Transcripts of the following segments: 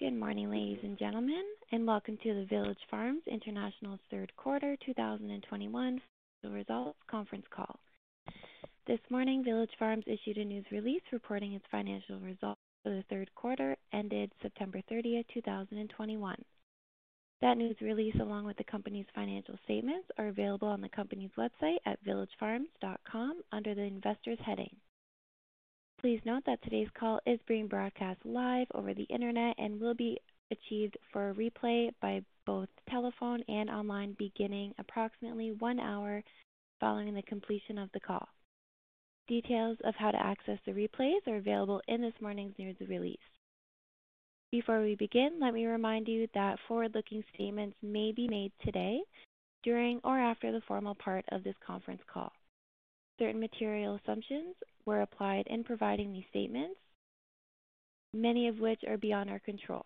Good morning, ladies and gentlemen, and welcome to the Village Farms International Q3 2021 financial results conference call. This morning, Village Farms issued a news release reporting its financial results for the Q3 ended 30 September 2021. That news release, along with the company's financial statements, are available on the company's website at villagefarms.com under the Investors heading. Please note that today's call is being broadcast live over the Internet and will be archived for a replay by both telephone and online beginning approximately one hour following the completion of the call. Details of how to access the replays are available in this morning's news release. Before we begin, let me remind you that forward-looking statements may be made today, during, or after the formal part of this conference call. Certain material assumptions were applied in providing these statements, many of which are beyond our control.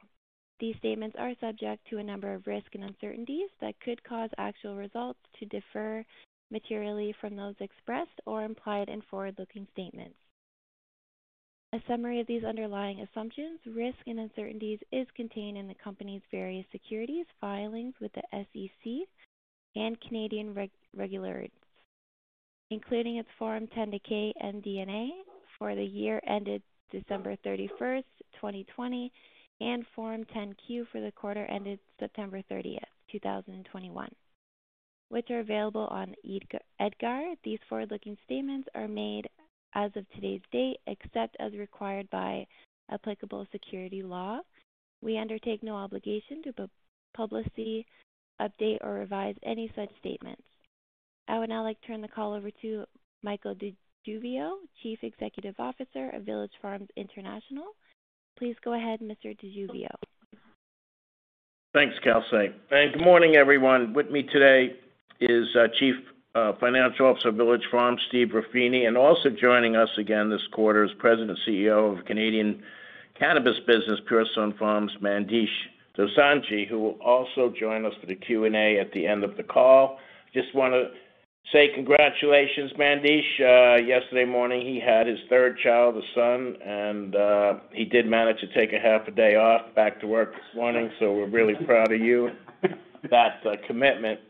These statements are subject to a number of risks and uncertainties that could cause actual results to differ materially from those expressed or implied in forward-looking statements. A summary of these underlying assumptions, risks, and uncertainties is contained in the company's various securities filings with the SEC and Canadian regulators, including its Form 10-K and AIF for the year ended 31 December 2020, and Form 10-Q for the quarter ended 30 September 2021, which are available on EDGAR these forward-looking statements are made as of today's date, except as required by applicable securities law. We undertake no obligation to publicly update or revise any such statements. I would now like to turn the call over to Michael DeGiglio, Chief Executive Officer of Village Farms International. Please go ahead, Mr. DeGiglio. Thanks, Kelsey. Good morning, everyone. With me today is Chief Financial Officer of Village Farms, Stephen Ruffini, and also joining us again this quarter is President and CEO of Canadian cannabis business, Pure Sunfarms, Mandesh Dosanjh, who will also join us for the Q&A at the end of the call. Just want to say congratulations, Mandesh. Yesterday morning, he had his third child, a son, and he did manage to take a half a day off back to work this morning so we're really proud of you. That commitment.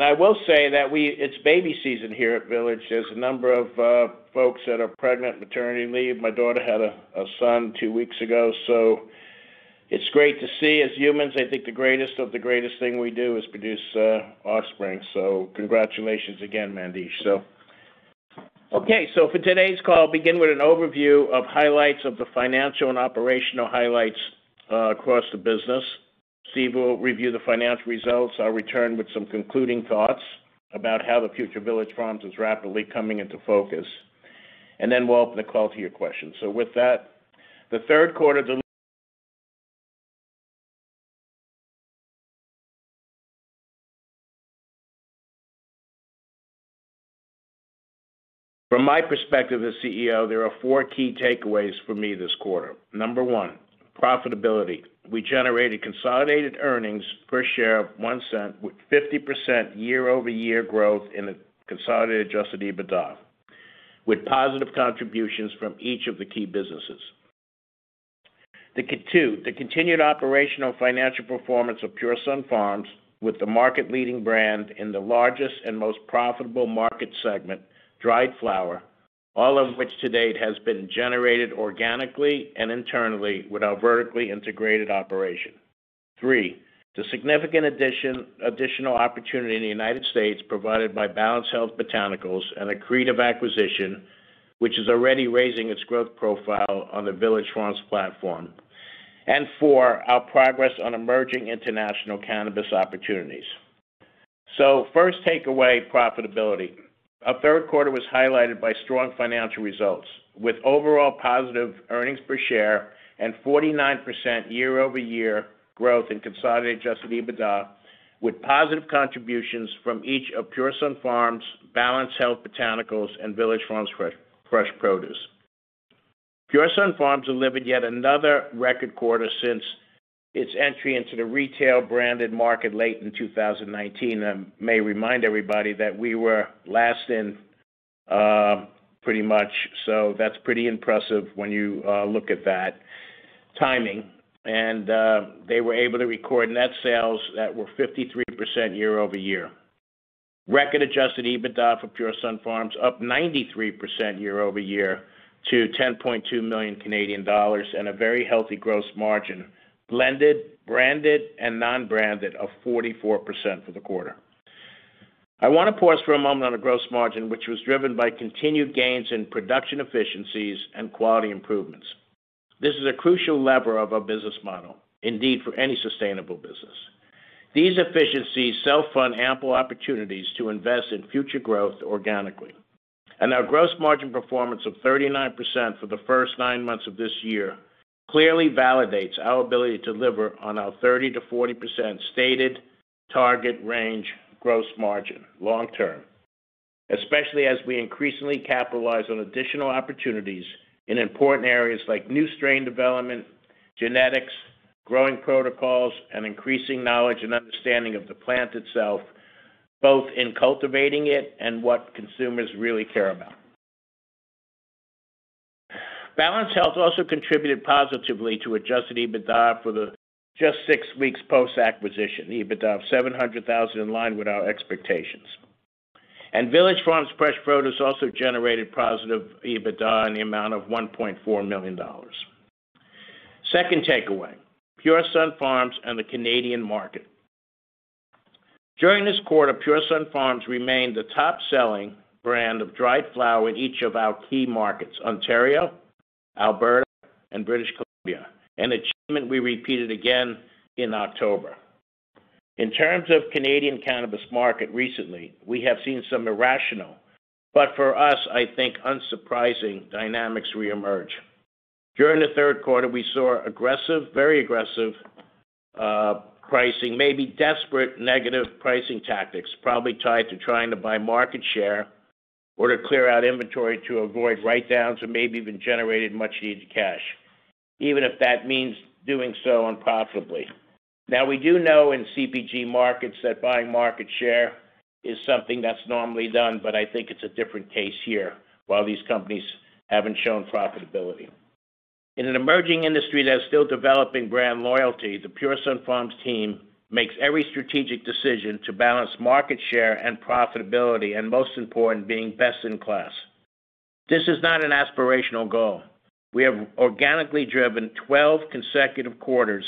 I will say that we it's baby season here at Village there's a number of folks that are pregnant, maternity leave my daughter had a son two weeks ago. It's great to see as humans, I think the greatest of the greatest thing we do is produce offspring. Congratulations again, Mandesh. For today's call, begin with an overview of highlights of the financial and operational highlights across the business. Steph will review the financial results i will return with some concluding thoughts about how the future Village Farms is rapidly coming into focus. Then we'll open the call to your questions. With that, the Q3 delivery.... From my perspective as CEO, there are four key takeaways for me this quarter. Number one, profitability. We generated consolidated earnings per share of $0.01, with 50% year-over-year growth in the consolidated adjusted EBITDA, with positive contributions from each of the key businesses. The continued operational financial performance of Pure Sunfarms with the market-leading brand in the largest and most profitable market segment, dried flower, all of which to date has been generated organically and internally with our vertically integrated operation. Three, the significant addition, additional opportunity in the United States provided by Balanced Health Botanicals, an accretive acquisition, which is already raising its growth profile on the Village Farms platform. And four, our progress on emerging international cannabis opportunities. First takeaway, profitability. Our Q3 was highlighted by strong financial results with overall positive earnings per share and 49% year-over-year growth in consolidated adjusted EBITDA, with positive contributions from each of Pure Sunfarms, Balanced Health Botanicals, and Village Farms Fresh produce. Pure Sunfarms delivered yet another record quarter since its entry into the retail branded market late in 2019 i may remind everybody that we were last in, pretty much, so that's pretty impressive when you, look at that timing. They were able to record net sales that were 53% year-over-year. Record adjusted EBITDA for Pure Sunfarms up 93% year-over-year to 10.2 million Canadian dollars, and a very healthy gross margin, blended, branded, and non-branded of 44% for the quarter. I want to pause for a moment on the gross margin, which was driven by continued gains in production efficiencies and quality improvements. This is a crucial lever of our business model, indeed for any sustainable business. These efficiencies self-fund ample opportunities to invest in future growth organically. Our gross margin performance of 39% for the first nine months of this year. Clearly validates our ability to deliver on our 30% to 40% stated target range gross margin long term, especially as we increasingly capitalize on additional opportunities in important areas like new strain development, genetics, growing protocols, and increasing knowledge and understanding of the plant itself. Both in cultivating it and what consumers really care about. Balanced Health Botanicals also contributed positively to adjusted EBITDA for the just six weeks post-acquisition EBITDA of $700,000 in line with our expectations. Village Farms Fresh produce also generated positive EBITDA in the amount of $1.4 million. Second takeaway, Pure Sunfarms and the Canadian market. During this quarter, Pure Sunfarms remained the top-selling brand of dried flower in each of our key markets, Ontario, Alberta, and British Columbia, an achievement we repeated again in October. In terms of Canadian cannabis market recently, we have seen some irrational, but for us, I think, unsurprising dynamics re-emerge. During the Q3, we saw aggressive, very aggressive, pricing, maybe desperate negative pricing tactics, probably tied to trying to buy market share or to clear out inventory to avoid write-downs or maybe even generated much-needed cash, even if that means doing so unprofitably. Now, we do know in CPG markets that buying market share is something that's normally done, but I think it's a different case here while these companies haven't shown profitability. In an emerging industry that's still developing brand loyalty, the Pure Sunfarms team makes every strategic decision to balance market share and profitability, and most important, being best in class. This is not an aspirational goal. We have organically driven 12 consecutive quarters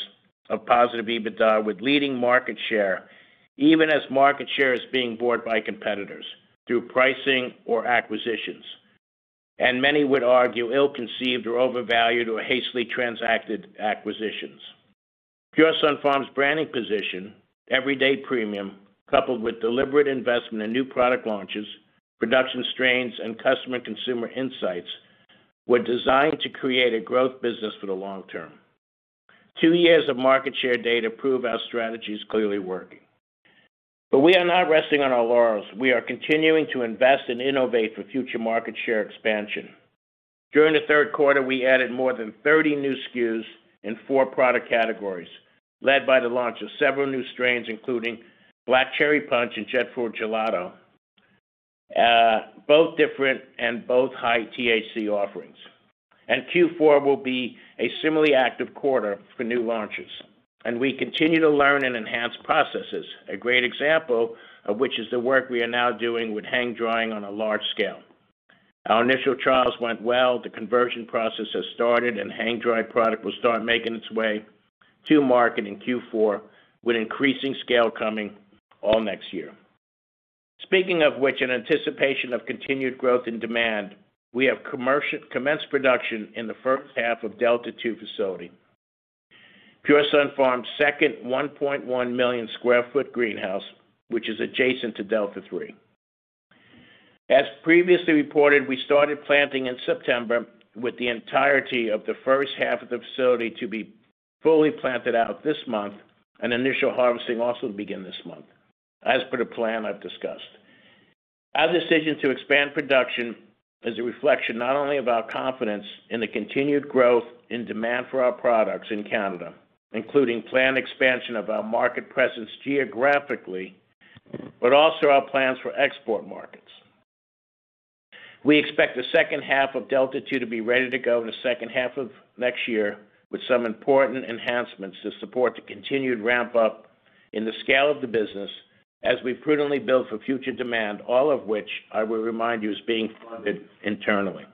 of positive EBITDA with leading market share, even as market share is being bought by competitors through pricing or acquisitions, and many would argue ill-conceived or overvalued or hastily transacted acquisitions. Pure Sunfarms' branding position, everyday premium, coupled with deliberate investment in new product launches, production strains, and customer and consumer insights, were designed to create a growth business for the long term. Two years of market share data prove our strategy is clearly working. We are not resting on our laurels we are continuing to invest and innovate for future market share expansion. During the Q3, we added more than 30 new SKUs in four product categories, led by the launch of several new strains, including Black Cherry Punch and Jet Fuel Gelato, both different and both high THC offerings. Q4 will be a similarly active quarter for new launches. We continue to learn and enhance processes, a great example of which is the work we are now doing with hang-drying on a large scale. Our initial trials went well the conversion process has started, and hang-dried product will start making its way to market in Q4, with increasing scale coming all next year. Speaking of which, in anticipation of continued growth and demand, we have commenced production in the first half of Delta Two facility, Pure Sunfarms' second 1.1sq ft million greenhouse, which is adjacent to Delta Three. As previously reported, we started planting in September, with the entirety of the first half of the facility to be fully planted out this month, and initial harvesting also to begin this month, as per the plan I've discussed. Our decision to expand production is a reflection not only of our confidence in the continued growth in demand for our products in Canada, including planned expansion of our market presence geographically, but also our plans for export markets. We expect the second half of Delta Two to be ready to go in the second half of next year, with some important enhancements to support the continued ramp up in the scale of the business as we prudently build for future demand, all of which I will remind you is being funded internally.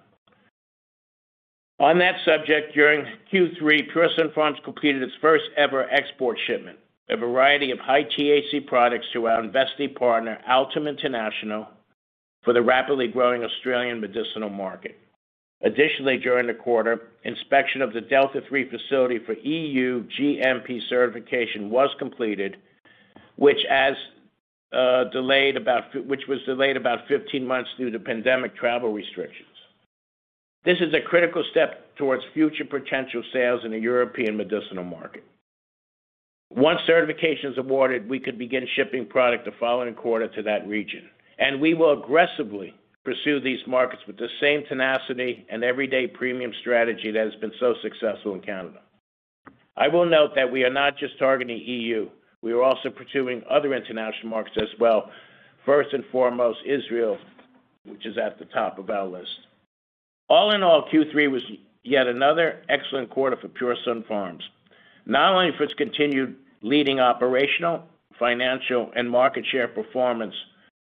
On that subject, during Q3, Pure Sunfarms completed its first-ever export shipment, a variety of high THC products to our investing partner, Altum International, for the rapidly growing Australian medicinal market. Additionally, during the quarter, inspection of the Delta Three facility for EU GMP certification was completed, which was delayed about 15 months due to pandemic travel restrictions. This is a critical step towards future potential sales in the European medicinal market. Once certification is awarded, we could begin shipping product the following quarter to that region. We will aggressively pursue these markets with the same tenacity and Everyday Premium strategy that has been so successful in Canada. I will note that we are not just targeting EU. We are also pursuing other international markets as well. First and foremost, Israel, which is at the top of our list. All in all, Q3 was yet another excellent quarter for Pure Sunfarms, not only for its continued leading operational, financial, and market share performance,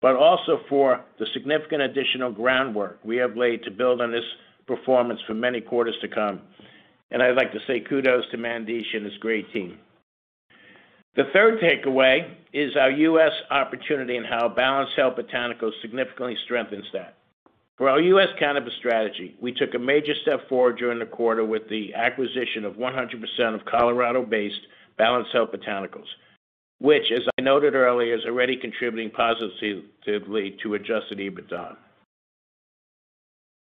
but also for the significant additional groundwork we have laid to build on this performance for many quarters to come. I'd like to say kudos to Mandesh and his great team. The third takeaway is our U.S. opportunity and how Balanced Health Botanicals significantly strengthens that. For our U.S. cannabis strategy, we took a major step forward during the quarter with the acquisition of 100% of Colorado-based Balanced Health Botanicals, which as I noted earlier, is already contributing positively to adjusted EBITDA.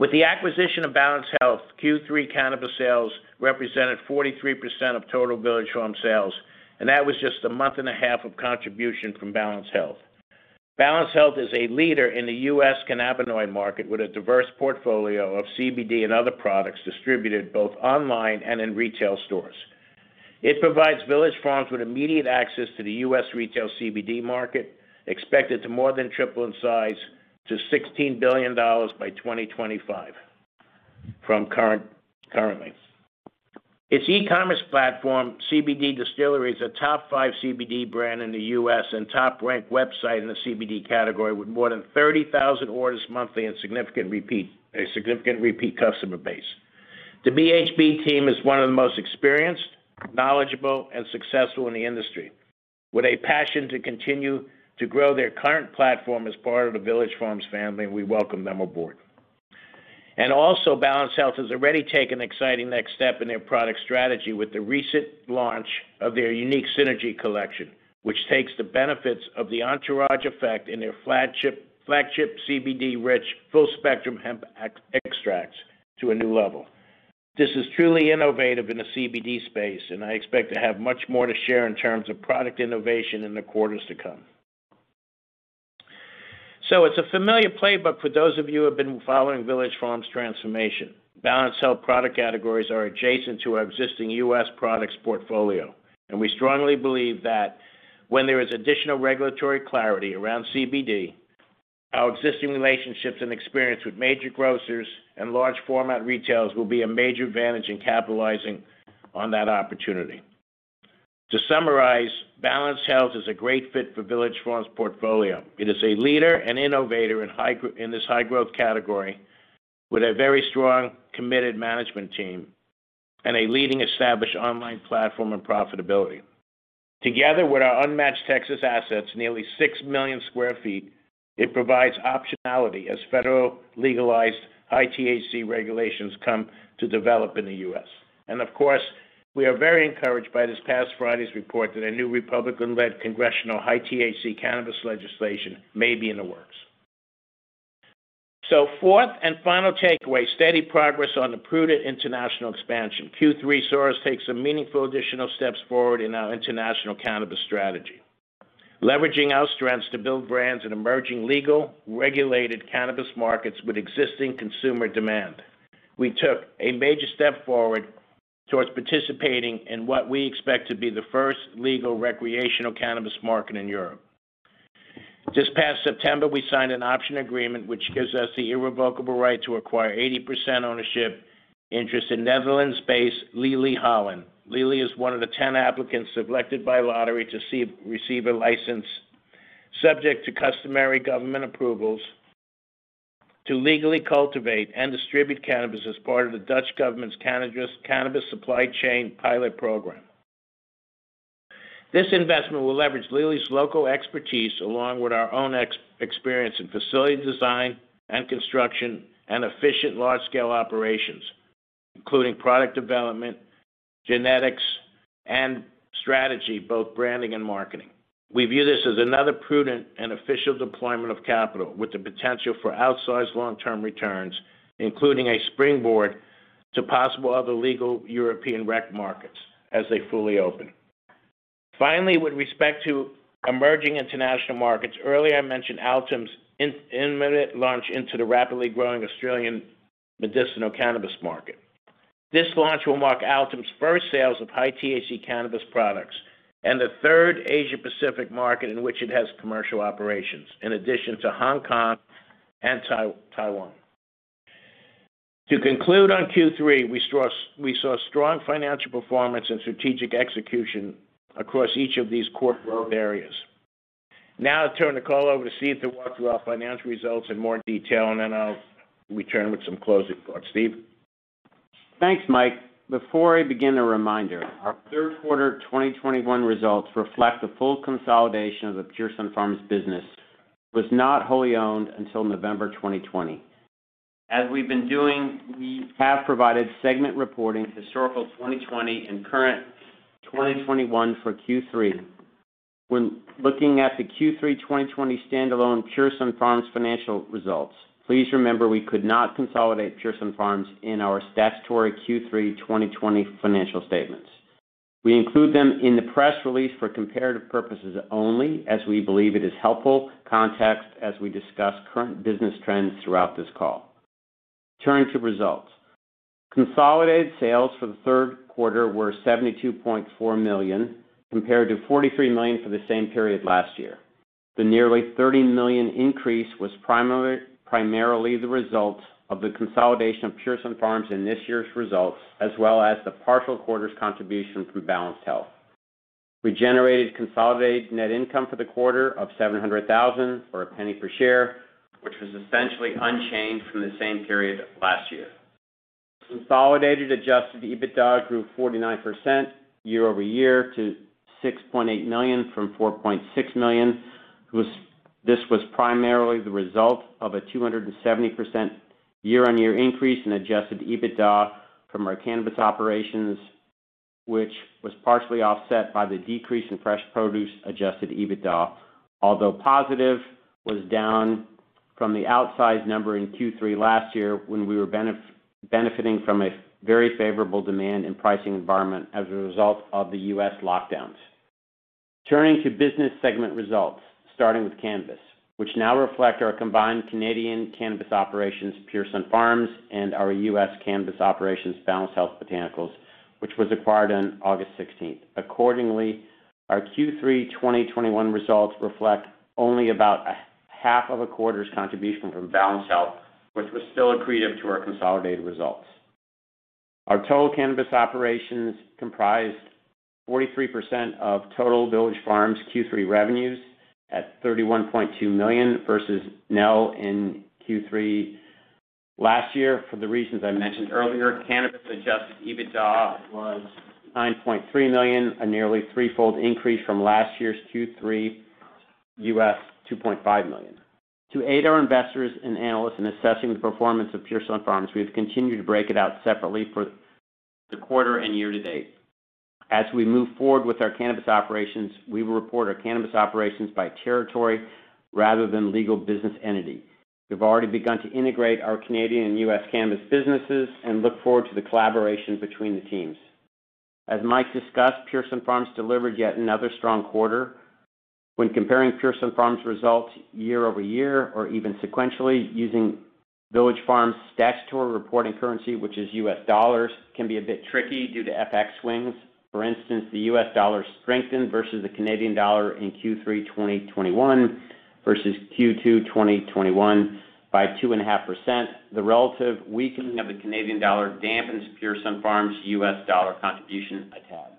With the acquisition of Balanced Health, Q3 cannabis sales represented 43% of total Village Farms sales, and that was just a month and a half of contribution from Balanced Health. Balanced Health is a leader in the U.S. cannabinoid market with a diverse portfolio of CBD and other products distributed both online and in retail stores. It provides Village Farms with immediate access to the U.S. retail CBD market, expected to more than triple in size to $16 billion by 2025 from current, currently. Its e-commerce platform, CBDistillery, is a top five CBD brand in the U.S. and top-ranked website in the CBD category, with more than 30,000 orders monthly and a significant repeat customer base. The BHB team is one of the most experienced, knowledgeable, and successful in the industry, with a passion to continue to grow their current platform as part of the Village Farms family, and we welcome them aboard. Also, Balanced Health has already taken an exciting next step in their product strategy with the recent launch of their unique Synergy Collection, which takes the benefits of the entourage effect in their flagship CBD-rich, full-spectrum hemp extracts to a new level. This is truly innovative in the CBD space, and I expect to have much more to share in terms of product innovation in the quarters to come. It's a familiar playbook for those of you who have been following Village Farms' transformation. Balanced Health product categories are adjacent to our existing U.S. products portfolio, and we strongly believe that when there is additional regulatory clarity around CBD, our existing relationships and experience with major grocers and large format retailers will be a major advantage in capitalizing on that opportunity. To summarize, Balanced Health is a great fit for Village Farms' portfolio. It is a leader and innovator in this high-growth category with a very strong, committed management team and a leading established online platform and profitability. Together with our unmatched Texas assets, nearly 6 million sq ft, it provides optionality as federal legalized high-THC regulations come to develop in the U.S. Of course, we are very encouraged by this past Friday's report that a new republican-led congressional high-THC cannabis legislation may be in the works. Fourth and final takeaway, steady progress on the prudent international expansion Q3 saw us take meaningful steps forward in our international cannabis strategy, leveraging our strengths to build brands in emerging legal, regulated cannabis markets with existing consumer demand. We took a major step forward towards participating in what we expect to be the first legal recreational cannabis market in Europe. This past September, we signed an option agreement, which gives us the irrevocable right to acquire 80% ownership interest in Netherlands-based Leli Holland. Leli is one of the 10 applicants selected by lottery to receive a license subject to customary government approvals to legally cultivate and distribute cannabis as part of the Dutch government's cannabis supply chain pilot program. This investment will leverage Leli's local expertise along with our own experience in facility design and construction and efficient large-scale operations, including product development, genetics, and strategy, both branding and marketing. We view this as another prudent and efficient deployment of capital with the potential for outsized long-term returns, including a springboard to possible other legal European rec markets as they fully open. Finally, with respect to emerging international markets, earlier I mentioned Altum's immediate launch into the rapidly growing Australian medicinal cannabis market. This launch will mark Altum's first sales of high-THC cannabis products and the third Asia-Pacific market in which it has commercial operations, in addition to Hong Kong and Taiwan. To conclude on Q3, we saw strong financial performance and strategic execution across each of these core growth areas. Now I turn the call over to Steph to walk through our financial results in more detail, and then I'll return with some closing thoughts. Steph? Thanks, Mike. Before I begin, a reminder, our Q3 2021 results reflect the full consolidation of the Pure Sunfarms business, was not wholly owned until November 2020. As we've been doing, we have provided segment reporting historical 2020 and current 2021 for Q3. When looking at the Q3 2020 standalone Pure Sunfarms financial results, please remember we could not consolidate Pure Sunfarms in our statutory Q3 2020 financial statements. We include them in the press release for comparative purposes only, as we believe it is helpful context as we discuss current business trends throughout this call. Turning to results. Consolidated sales for the Q3 were $72.4 million, compared to $43 million for the same period last year. The nearly $30 million increase was primarily the result of the consolidation of Pure Sunfarms in this year's results, as well as the partial quarter's contribution from Balanced Health. We generated consolidated net income for the quarter of $700,000, or $0.01 per share, which was essentially unchanged from the same period last year. Consolidated adjusted EBITDA grew 49% year-over-year to $6.8 million from $4.6 million. This was primarily the result of a 270% year-on-year increase in adjusted EBITDA from our cannabis operations, which was partially offset by the decrease in fresh produce adjusted EBITDA. Although positive, it was down from the outsized number in Q3 last year when we were benefiting from a very favorable demand and pricing environment as a result of the U.S. lockdowns. Turning to business segment results, starting with cannabis, which now reflect our combined Canadian cannabis operations, Pure Sunfarms, and our U.S. cannabis operations, Balanced Health Botanicals, which was acquired on 16 August accordingly, our Q3 2021 results reflect only about a half of a quarter's contribution from Balanced Health, which was still accretive to our consolidated results. Our total cannabis operations comprised 43% of total Village Farms Q3 revenues at $31.2 million versus nil in Q3 last year for the reasons I mentioned earlier, cannabis adjusted EBITDA was $9.3 million, a nearly threefold increase from last year's Q3 $2.5 million. To aid our investors and analysts in assessing the performance of Pure Sunfarms, we have continued to break it out separately for the quarter and year to date. As we move forward with our cannabis operations, we will report our cannabis operations by territory rather than legal business entity. We've already begun to integrate our Canadian and U.S. cannabis businesses and look forward to the collaboration between the teams. As Mike discussed, Pure Sunfarms delivered yet another strong quarter. When comparing Pure Sunfarms results year-over-year or even sequentially using Village Farms statutory reporting currency, which is U.S. dollars, can be a bit tricky due to FX swings. For instance, the US dollar strengthened versus the Canadian dollar in Q3 2021 versus Q2 2021 by 2.5%. The relative weakening of the Canadian dollar dampens Pure Sunfarms' US dollar contribution a tad.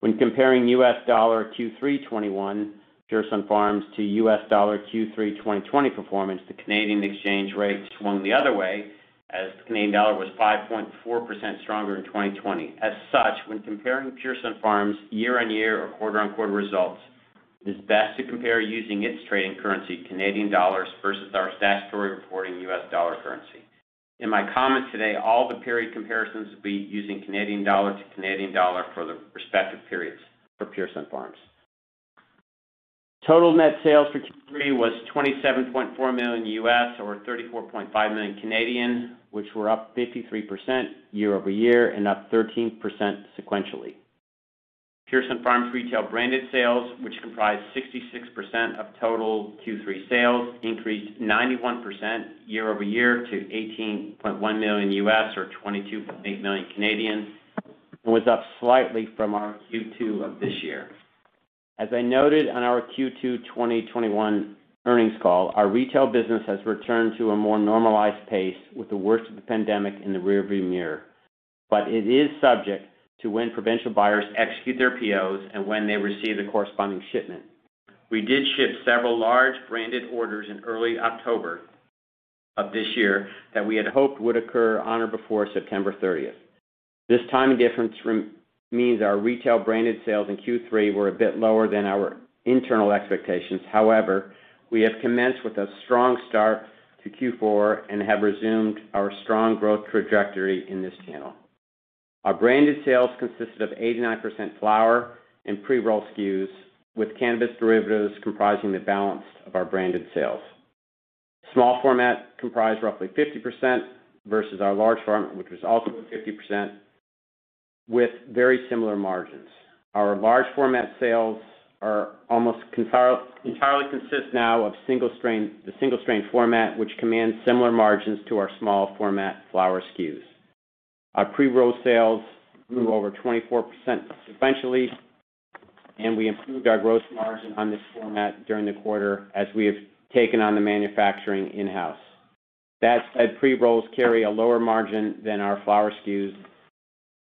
When comparing US dollar Q3 2021 Pure Sunfarms to US dollar Q3 2020 performance, the Canadian exchange rate swung the other way as the Canadian dollar was 5.4% stronger in 2020 as such, when comparing Pure Sunfarms year-over-year or quarter-over-quarter results, it is best to compare using its trading currency, Canadian dollars, versus our statutory reporting US dollar currency. In my comments today, all the period comparisons will be using Canadian dollar to Canadian dollar for the respective periods for Pure Sunfarms. Total net sales for Q3 was $27.4 million, or 34.5 million, which were up 53% year-over-year and up 13% sequentially. Pure Sunfarms retail branded sales, which comprise 66% of total Q3 sales, increased 91% year-over-year to $18.1 million or 22.8 million, and was up slightly from our Q2 of this year. As I noted on our Q2 2021 earnings call, our retail business has returned to a more normalized pace with the worst of the pandemic in the rear-view mirror. It is subject to when provincial buyers execute their POs and when they receive the corresponding shipment. We did ship several large branded orders in early October of this year that we had hoped would occur on or before 30 September. This timing difference means our retail branded sales in Q3 were a bit lower than our internal expectations however, we have commenced with a strong start to Q4 and have resumed our strong growth trajectory in this channel. Our branded sales consisted of 89% flower and pre-roll SKUs, with cannabis derivatives comprising the balance of our branded sales. Small format comprised roughly 50% versus our large format, which was also 50% with very similar margins. Our large format sales are almost entirely consist now of the single-strain format, which commands similar margins to our small format flower SKUs. Our pre-roll sales grew over 24% sequentially, and we improved our gross margin on this format during the quarter as we have taken on the manufacturing in-house. That said, pre-rolls carry a lower margin than our flower SKUs,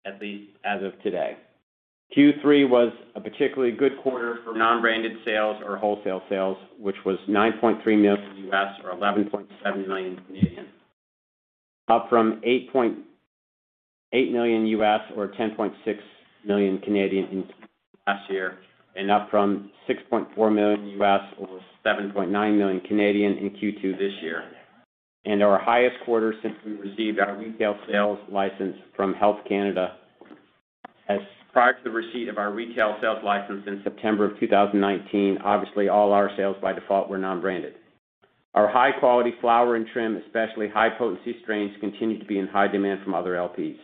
at least as of today. Q3 was a particularly good quarter for non-branded sales or wholesale sales, which was $9.3 million or 11.7 million, up from $8.8 million or 10.6 million last year and up from $6.4 million or 7.9 million in Q2 this year. Our highest quarter since we received our retail sales license from Health Canada as prior to the receipt of our retail sales license in September of 2019, obviously, all our sales by default were non-branded. Our high-quality flower and trim, especially high-potency strains, continued to be in high demand from other LPs.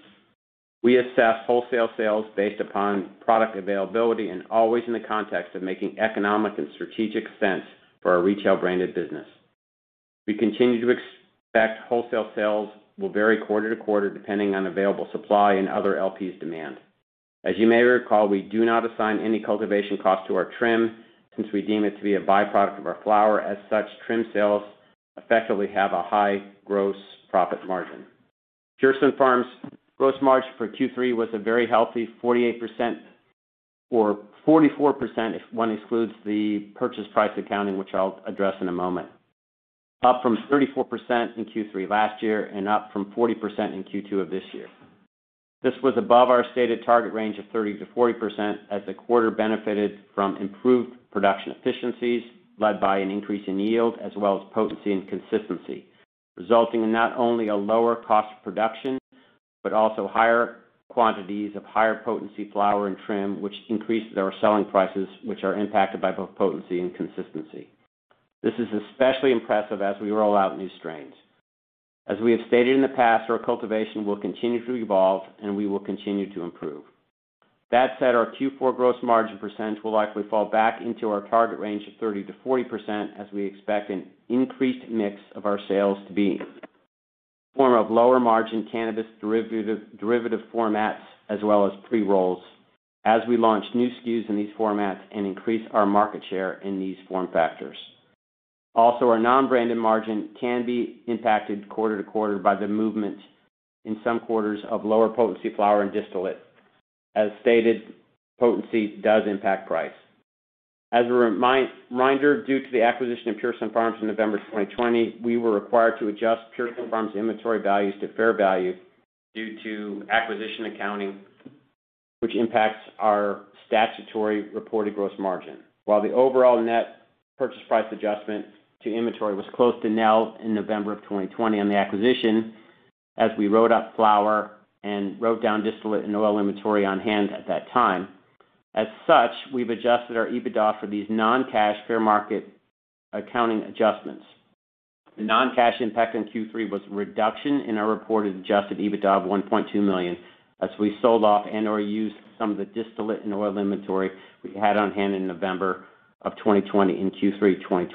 We assess wholesale sales based upon product availability and always in the context of making economic and strategic sense for our retail branded business. We continue to expect wholesale sales will vary quarter to quarter, depending on available supply and other LPs demand. As you may recall, we do not assign any cultivation cost to our trim, since we deem it to be a byproduct of our flower as such, trim sales effectively have a high gross profit margin. Pure Sunfarms gross margin for Q3 was a very healthy 48%, or 44% if one excludes the purchase price accounting, which I'll address in a moment, up from 34% in Q3 last year and up from 40% in Q2 of this year. This was above our stated target range of 30% to 40% as the quarter benefited from improved production efficiencies led by an increase in yield, as well as potency and consistency, resulting in not only a lower cost of production, but also higher quantities of higher potency flower and trim, which increases our selling prices, which are impacted by both potency and consistency. This is especially impressive as we roll out new strains. As we have stated in the past, our cultivation will continue to evolve, and we will continue to improve. That said, our Q4 gross margin percentage will likely fall back into our target range of 30% to 40% as we expect an increased mix of our sales to be. In the form of lower-margin cannabis derivative formats, as well as pre-rolls, as we launch new SKUs in these formats and increase our market share in these form factors. Also, our non-branded margin can be impacted quarter to quarter by the movement in some quarters of lower-potency flower and distillate. As stated, potency does impact price. As a reminder, due to the acquisition of Pure Sunfarms in November 2020, we were required to adjust Pure Sunfarms' inventory values to fair value due to acquisition accounting, which impacts our statutory reported gross margin. While the overall net purchase price adjustment to inventory was close to nil in November 2020 on the acquisition, as we wrote up flower and wrote down distillate and oil inventory on hand at that time. As such, we've adjusted our EBITDA for these non-cash fair market accounting adjustments. The non-cash impact in Q3 was a reduction in our reported adjusted EBITDA of $1.2 million as we sold off and/or used some of the distillate and oil inventory we had on hand in November 2020 in Q3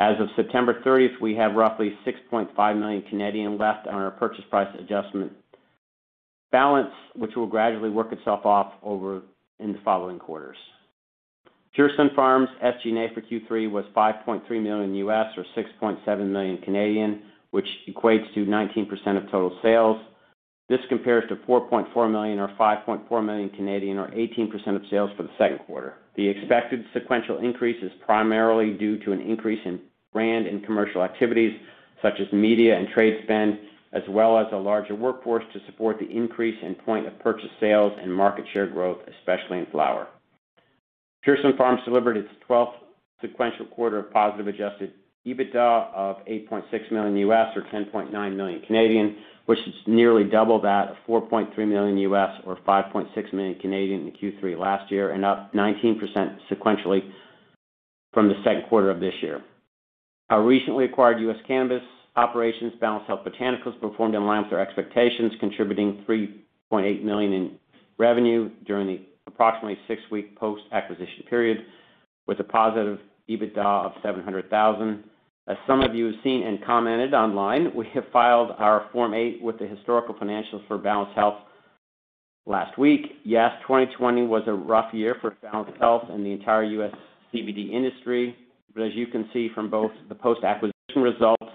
2021. As of 30 September, we have roughly 6.5 million left on our purchase price adjustment balance, which will gradually work itself off over in the following quarters. Pure Sunfarms' SG&A for Q3 was $5.3 million US, or 6.7 million, which equates to 19% of total sales. This compares to $4.4 million or 5.4 million or 18% of sales for the Q2 the expected sequential increase is primarily due to an increase in brand and commercial activities such as media and trade spend, as well as a larger workforce to support the increase in point-of-purchase sales and market share growth, especially in flower. Pure Sunfarms delivered its twelfth sequential quarter of positive adjusted EBITDA of $8.6 million or 10.9 million, which is nearly double that of $4.3 million or 5.6 million in Q3 last year, and up 19% sequentially from the Q2 of this year. Our recently acquired U.S. cannabis operations, Balanced Health Botanicals, performed in line with our expectations, contributing $3.8 million in revenue during the approximately six-week post-acquisition period, with a positive EBITDA of $700,000. As some of you have seen and commented online, we have filed our Form 8-K with the historical financials for Balanced Health last week. Yes, 2020 was a rough year for Balanced Health and the entire U.S. CBD industry. As you can see from both the post-acquisition results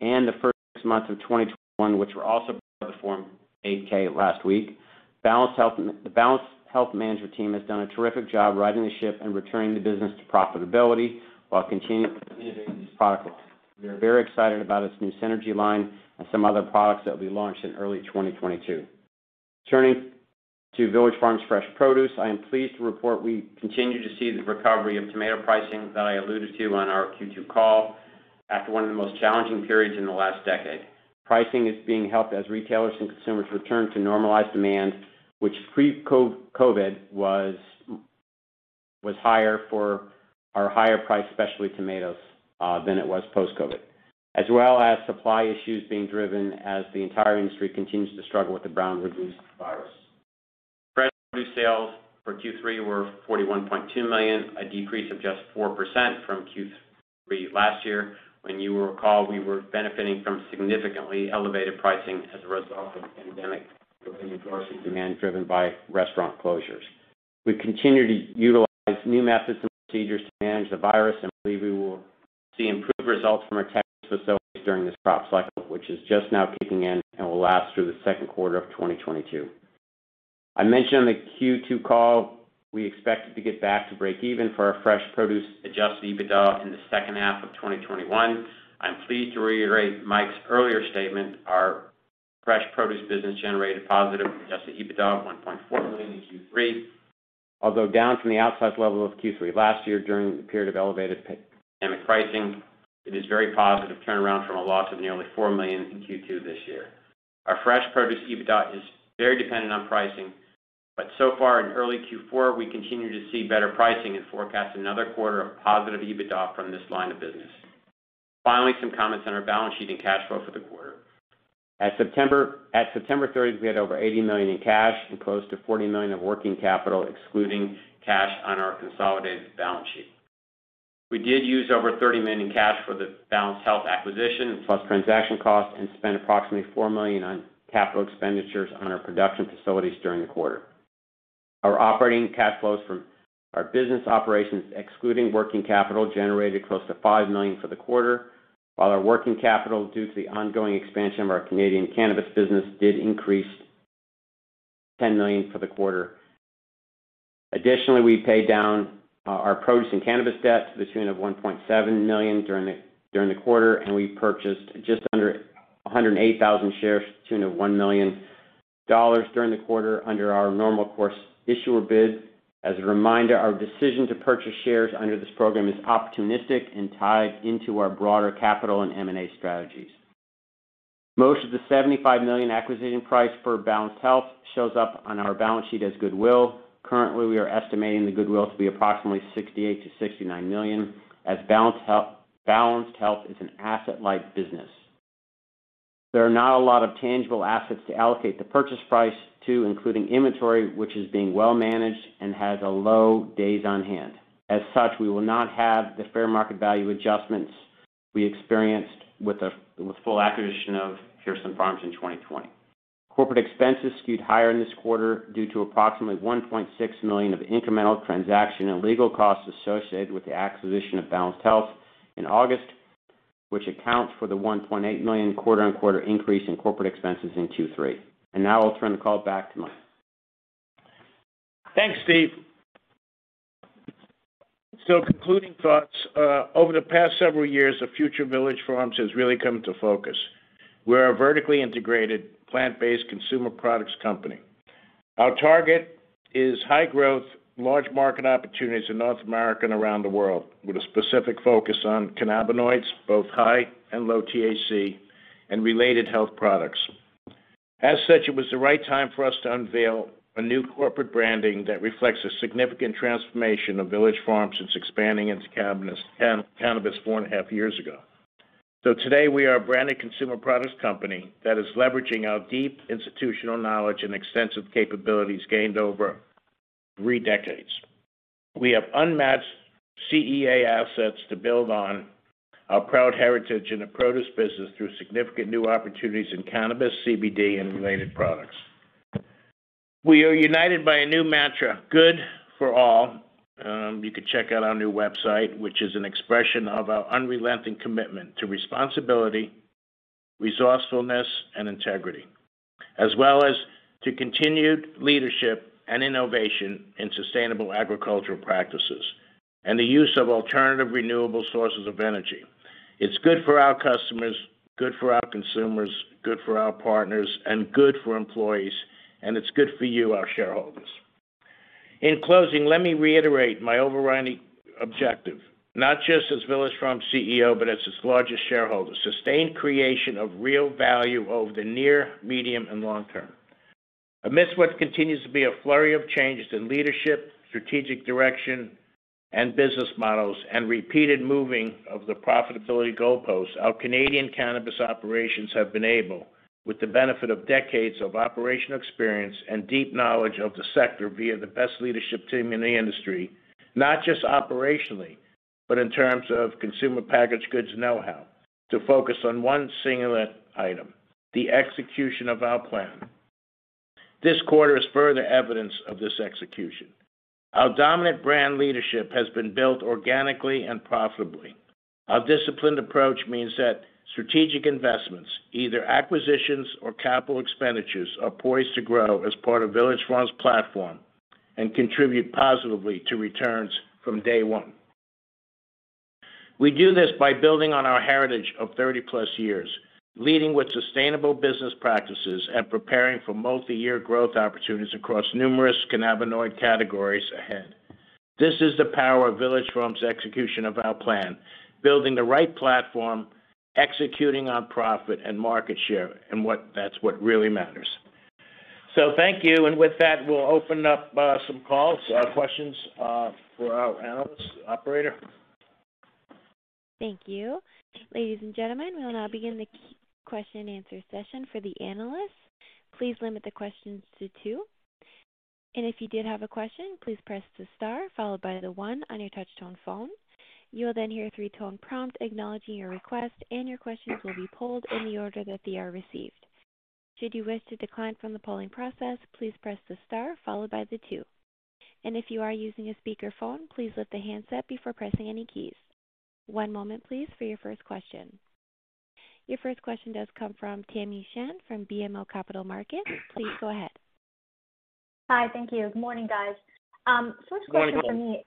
and the first months of 2021, which were also part of the Form 8-K last week, Balanced Health, the Balanced Health management team has done a terrific job righting the ship and returning the business to profitability while continuing to innovate new product lines we are very excited about its new Synergy [unintelligible] and some other products that will be launched in early 2022. Turning to Village Farms Fresh produce, I am pleased to report we continue to see the recovery of tomato pricing that I alluded to on our Q2 call after one of the most challenging periods in the last decade. Pricing is being helped as retailers and consumers return to normalized demand, which pre-COVID was higher for our higher-priced specialty tomatoes than it was post-COVID, as well as supply issues being driven as the entire industry continues to struggle with the tomato brown rugose fruit virus. Fresh produce sales for Q3 were $41.2 million, a decrease of just 4% from Q3 last year, when you will recall we were benefiting from significantly elevated pricing as a result of pandemic-related grocery demand driven by restaurant closures. We continue to utilize new methods and procedures to manage the virus, and believe we will see improved results from our Texas facilities during this crop cycle, which is just now kicking in and will last through the Q2 of 2022. I mentioned on the Q2 call, we expected to get back to breakeven for our Fresh Produce adjusted EBITDA in the second half of 2021. I'm pleased to reiterate Mike's earlier statement, our Fresh Produce business generated positive adjusted EBITDA of $1.4 million in Q3. Although down from the outsized level of Q3 last year during the period of elevated pandemic pricing, it is a very positive turnaround from a loss of nearly $4 million in Q2 this year. Our Fresh produce EBITDA is very dependent on pricing, but so far in early Q4, we continue to see better pricing and forecast another quarter of positive EBITDA from this line of business. Finally, some comments on our balance sheet and cash flow for the quarter. At 30 September, we had over $80 million in cash and close to $40 million of working capital, excluding cash on our consolidated balance sheet. We did use over $30 million in cash for the Balanced Health acquisition, plus transaction costs, and spent approximately $4 million on capital expenditures on our production facilities during the quarter. Our operating cash flows from our business operations, excluding working capital, generated close to $5 million for the quarter, while our working capital, due to the ongoing expansion of our Canadian cannabis business, did increase $10 million for the quarter. Additionally, we paid down our produce and cannabis debt to the tune of $1.7 million during the quarter, and we purchased just under 108,000 shares to the tune of $1 million during the quarter under our normal course issuer bid. As a reminder, our decision to purchase shares under this program is opportunistic and tied into our broader capital and M&A strategies. Most of the $75 million acquisition price for Balanced Health shows up on our balance sheet as goodwill. Currently, we are estimating the goodwill to be approximately $68 to 69 million as Balanced Health is an asset-like business. There are not a lot of tangible assets to allocate the purchase price to including inventory, which is being well managed and has a low days on hand. As such, we will not have the fair market value adjustments we experienced with full acquisition of Pure Farms in 2020. Corporate expenses skewed higher in this quarter due to approximately $1.6 million of incremental transaction and legal costs associated with the acquisition of Balanced Health in August, which accounts for the $1.8 million quarter-over-quarter increase in corporate expenses in Q3. Now I'll turn the call back to Mike. Thanks, Steph. Concluding thoughts. Over the past several years, the future Village Farms has really come into focus. We are a vertically integrated, plant-based consumer products company. Our target is high growth, large market opportunities in North America and around the world, with a specific focus on cannabinoids, both high and low THC, and related health products. As such, it was the right time for us to unveil a new corporate branding that reflects a significant transformation of Village Farms since expanding into cannabis four and a half years ago. Today, we are a branded consumer products company that is leveraging our deep institutional knowledge and extensive capabilities gained over three decades. We have unmatched CEA assets to build on our proud heritage in the produce business through significant new opportunities in cannabis, CBD, and related products. We are united by a new mantra, good for all. You could check out our new website, which is an expression of our unrelenting commitment to responsibility, resourcefulness, and integrity, as well as to continued leadership and innovation in sustainable agricultural practices and the use of alternative renewable sources of energy. It's good for our customers, good for our consumers, good for our partners, and good for employees, and it's good for you, our shareholders. In closing, let me reiterate my overriding objective, not just as Village Farms CEO, but as its largest shareholder, sustained creation of real value over the near, medium, and long term. Amidst what continues to be a flurry of changes in leadership, strategic direction, and business models, and repeated moving of the profitability goalposts, our Canadian cannabis operations have been able, with the benefit of decades of operational experience and deep knowledge of the sector via the best leadership team in the industry, not just operationally, but in terms of consumer packaged goods know-how to focus on one singular item, the execution of our plan. This quarter is further evidence of this execution. Our dominant brand leadership has been built organically and profitably. Our disciplined approach means that strategic investments, either acquisitions or capital expenditures, are poised to grow as part of Village Farms' platform and contribute positively to returns from day one. We do this by building on our heritage of 30-plus years, leading with sustainable business practices and preparing for multiyear growth opportunities across numerous cannabinoid categories ahead. This is the power of Village Farms' execution of our plan, building the right platform, executing on profit and market share and that's what really matters. Thank you. With that, we'll open up the call for questions for our analysts. Operator? Thank you. Ladies and gentlemen, we'll now begin the question and answer session for the analysts. Please limit the questions to two. If you did have a question, please press star one on your touch-tone phone. You will then hear a 3-tone prompt acknowledging your request, and your questions will be pulled in the order that they are received. Should you wish to decline from the polling process, please press star two. If you are using a speakerphone, please lift the handset before pressing any keys. One moment, please, for your first question. Your first question comes from Tamy Chen from BMO Capital Markets. Please go ahead. Hi. Thank you. Good morning, guys. First question for me-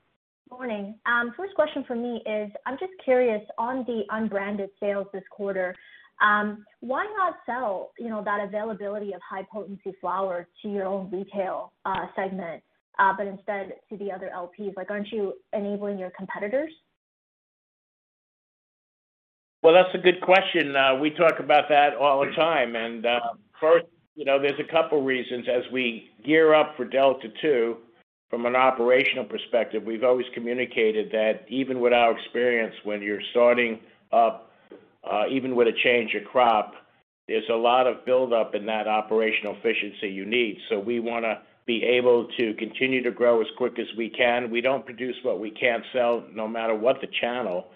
Morning. Morning. First question for me is, I'm just curious on the unbranded sales this quarter, why not sell, you know, that availability of high-potency flower to your own retail segment, but instead to the other LPs? Like, aren't you enabling your competitors? Well, that's a good question. We talk about that all the time. First, you know, there's a couple reasons as we gear up for Delta-2, from an operational perspective, we've always communicated that even with our experience when you're starting up, even with a change of crop, there's a lot of build-up in that operational efficiency you need so we wanna be able to continue to grow as quick as we can we don't produce what we can't sell no matter what the channel.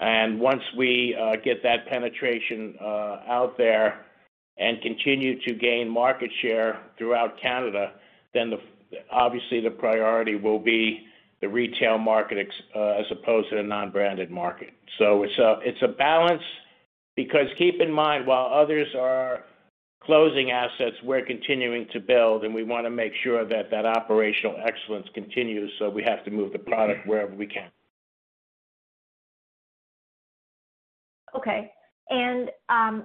Once we get that penetration out there and continue to gain market share throughout Canada, then obviously the priority will be the retail market as opposed to the non-branded market. It's a balance because, keep in mind, while others are closing assets, we're continuing to build, and we wanna make sure that operational excellence continues, so we have to move the product wherever we can. Okay.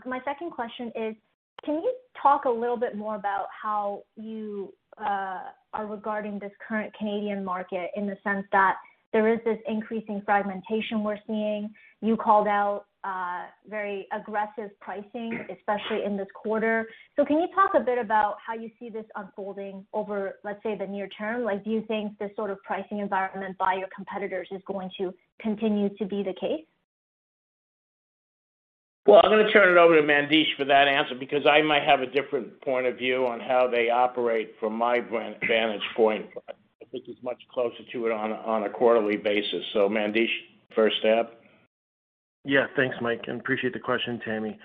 My second question is. Can you talk a little bit more about how you are regarding this current Canadian market in the sense that there is this increasing fragmentation we're seeing? You called out very aggressive pricing, especially in this quarter. Can you talk a bit about how you see this unfolding over, let's say, the near term? Like, do you think this sort of pricing environment by your competitors is going to continue to be the case? Well, I'm gonna turn it over to Mandesh for that answer because I might have a different point of view on how they operate from my vantage point. I think he's much closer to it on a quarterly basis. Mandesh, first stab. Yeah. Thanks, Mike, and I appreciate the question, Tamy.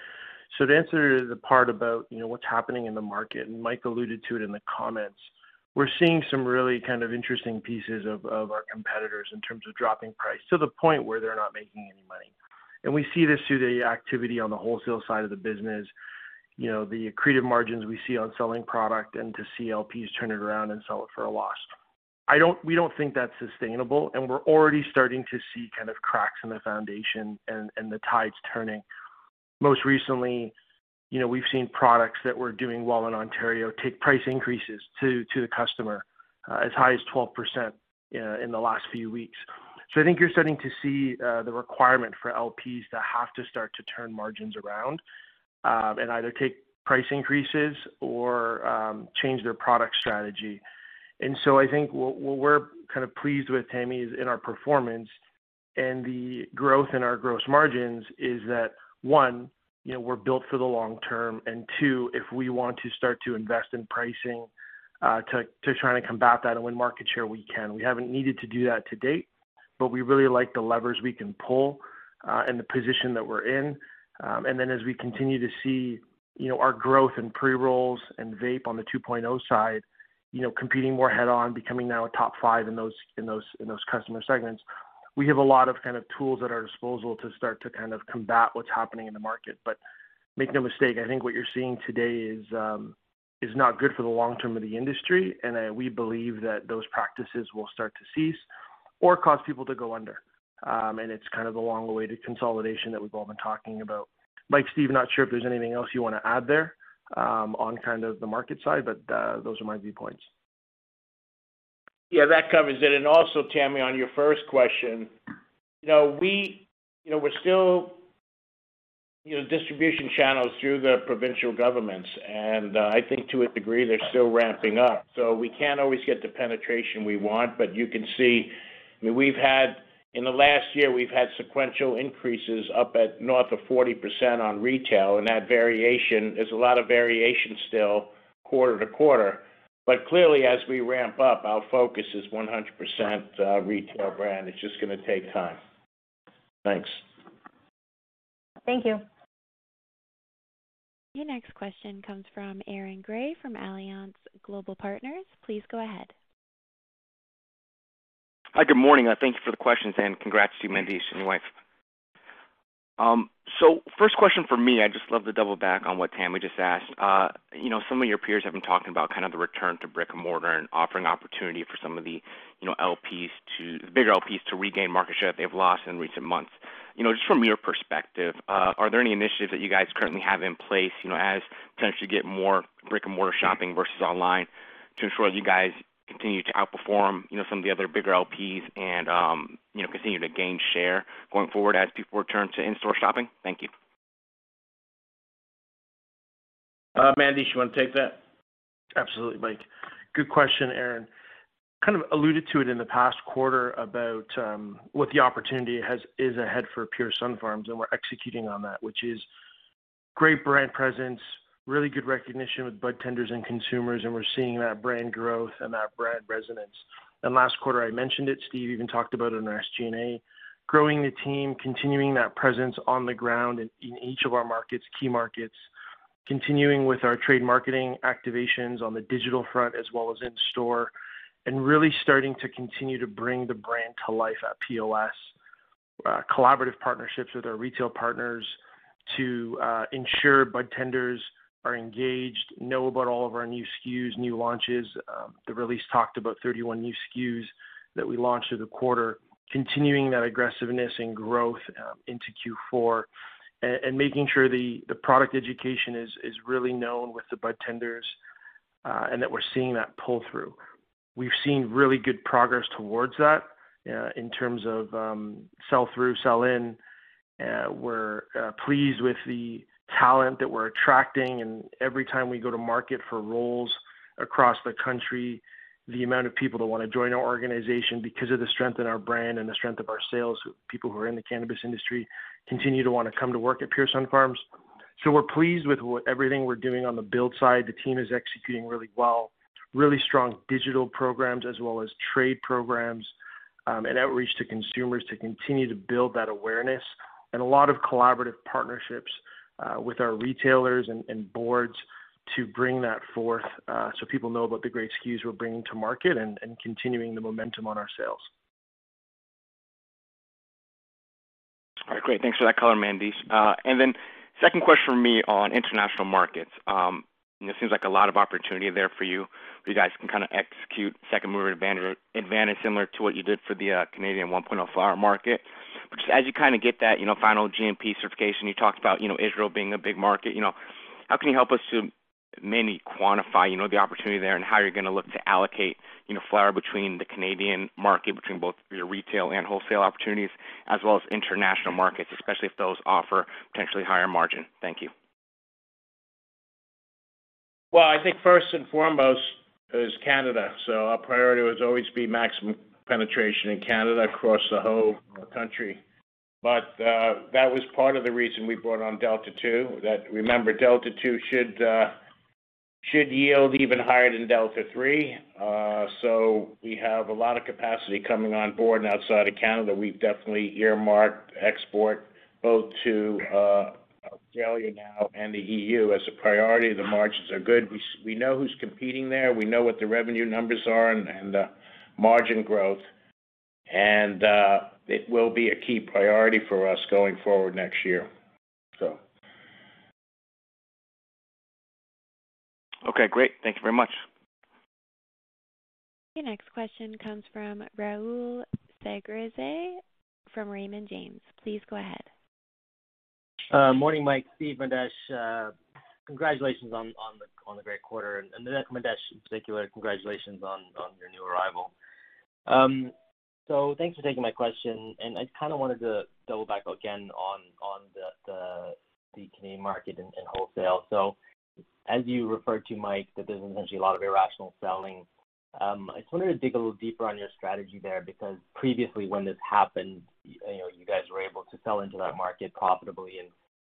To answer the part about, you know, what's happening in the market, and Mike alluded to it in the comments, we're seeing some really kind of interesting pieces of our competitors in terms of dropping price to the point where they're not making any money. We see this through the activity on the wholesale side of the business, you know, the eroded margins we see on selling product and to see LPs turn it around and sell it for a loss. We don't think that's sustainable, and we're already starting to see kind of cracks in the foundation and the tides turning. Most recently, you know, we've seen products that were doing well in Ontario take price increases to the customer as high as 12% in the last few weeks. I think you're starting to see the requirement for LPs to have to start to turn margins around, and either take price increases or change their product strategy. I think what we're kind of pleased with, Tamy, is in our performance and the growth in our gross margins is that, one, you know, we're built for the long term, and two, if we want to start to invest in pricing, to try to combat that and win market share, we can we haven't needed to do that to date, but we really like the levers we can pull, and the position that we're in. As we continue to see, you know, our growth in pre-rolls and vape on the 2.0 side, you know, competing more head-on, becoming now a top five in those customer segments, we have a lot of kind of tools at our disposal to start to kind of combat what's happening in the market. Make no mistake, I think what you're seeing today is not good for the long term of the industry, and we believe that those practices will start to cease or cause people to go under. It's kind of the long way to consolidation that we've all been talking about. Mike, Steph, not sure if there's anything else you wanna add there, on kind of the market side, but those are my viewpoints. Yeah, that covers it. Also, Tamy, on your first question, you know, we, you know, we're still, you know, distribution channels through the provincial governments. I think to a degree, they're still ramping up, so we can't always get the penetration we want. You can see, I mean, we've had in the last year, we've had sequential increases up at north of 40% on retail, and that variation, there's a lot of variation still quarter to quarter. Clearly, as we ramp up, our focus is 100%, retail brand it's just gonna take time. Thanks. Thank you. Your next question comes from Aaron Grey from Alliance Global Partners. Please go ahead. Hi. Good morning. Thank you for the questions, and congrats to you, Mandesh, and your wife. So first question from me, I'd just love to double back on what Tamy just asked. You know, some of your peers have been talking about kind of the return to brick-and-mortar and offering opportunity for some of the, you know, LPs to bigger LPs to regain market share that they've lost in recent months. You know, just from your perspective, are there any initiatives that you guys currently have in place, you know, as potentially you get more brick-and-mortar shopping versus online to ensure that you guys continue to outperform, you know, some of the other bigger LPs and, you know, continue to gain share going forward as people return to in-store shopping? Thank you. Mandesh, you wanna take that? Absolutely, Mike. Good question, Aaron. Kind of alluded to it in the past quarter about what the opportunity is ahead for Pure Sunfarms, and we're executing on that, which is great brand presence, really good recognition with budtenders and consumers, and we're seeing that brand growth and that brand resonance. Last quarter, I mentioned it. Steph even talked about it in our SG&A. Growing the team, continuing that presence on the ground in each of our key markets, continuing with our trade marketing activations on the digital front as well as in store, and really starting to continue to bring the brand to life at POS. Collaborative partnerships with our retail partners to ensure budtenders are engaged, know about all of our new SKUs, new launches. The release talked about 31 new SKUs that we launched through the quarter, continuing that aggressiveness and growth, into Q4, and making sure the product education is really known with the budtenders, and that we're seeing that pull-through. We've seen really good progress towards that, in terms of sell-through, sell-in. We're pleased with the talent that we're attracting, and every time we go to market for roles across the country, the amount of people that wanna join our organization because of the strength in our brand and the strength of our sales, people who are in the cannabis industry continue to wanna come to work at Pure Sunfarms. We're pleased with what everything we're doing on the build side the team is executing really well. Really strong digital programs as well as trade programs, and outreach to consumers to continue to build that awareness. A lot of collaborative partnerships with our retailers and boards to bring that forth, so people know about the great SKUs we're bringing to market and continuing the momentum on our sales. All right. Great. Thanks for that color, Mandesh. Then second question from me on international markets. It seems like a lot of opportunity there for you. You guys can kind of execute second mover advantage similar to what you did for the Canadian 1.0 flower market. Just as you kind of get that, you know, final GMP certification, you talked about, you know, Israel being a big market, you know. How can you help us to maybe quantify, you know, the opportunity there and how you're gonna look to allocate, you know, flower between the Canadian market, between both your retail and wholesale opportunities, as well as international markets, especially if those offer potentially higher margin? Thank you. Well, I think first and foremost is Canada so our priority will always be maximum penetration in Canada across the whole country. That was part of the reason we brought on Delta-2, that remember Delta-2 should yield even higher than Delta-3. So we have a lot of capacity coming on board outside of Canada, we've definitely earmarked export both to Australia now and the EU as a priority the margins are good. We know who's competing there, we know what the revenue numbers are and margin growth. It will be a key priority for us going forward next year. Okay, great. Thank you very much. Your next question comes from Rahul Sarugaser from Raymond James. Please go ahead. Morning, Mike, Steph, Mandesh. Congratulations on the great quarter. To Mandesh in particular, congratulations on your new arrival. Thanks for taking my question, and I kind of wanted to double back again on the Canadian market and wholesale. As you referred to, Mike, that there's essentially a lot of irrational selling. I just wanted to dig a little deeper on your strategy there because previously when this happened, you know, you guys were able to sell into that market profitably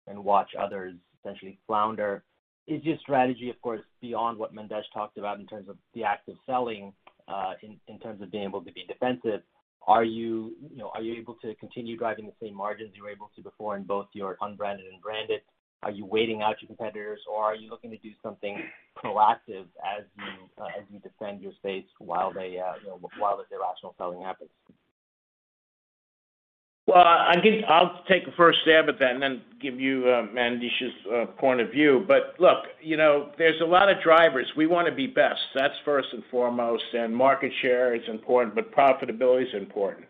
and watch others essentially flounder. Is your strategy, of course, beyond what Mandesh talked about in terms of the active selling, in terms of being able to be defensive. Are you know, are you able to continue driving the same margins you were able to before in both your unbranded and branded? Are you waiting out your competitors, or are you looking to do something proactive as you defend your space while they, you know, while this irrational selling happens? I'll take a first stab at that and then give you Mandesh's point of view but look, you know, there's a lot of drivers we wanna be best. That's first and foremost and market share is important, but profitability is important.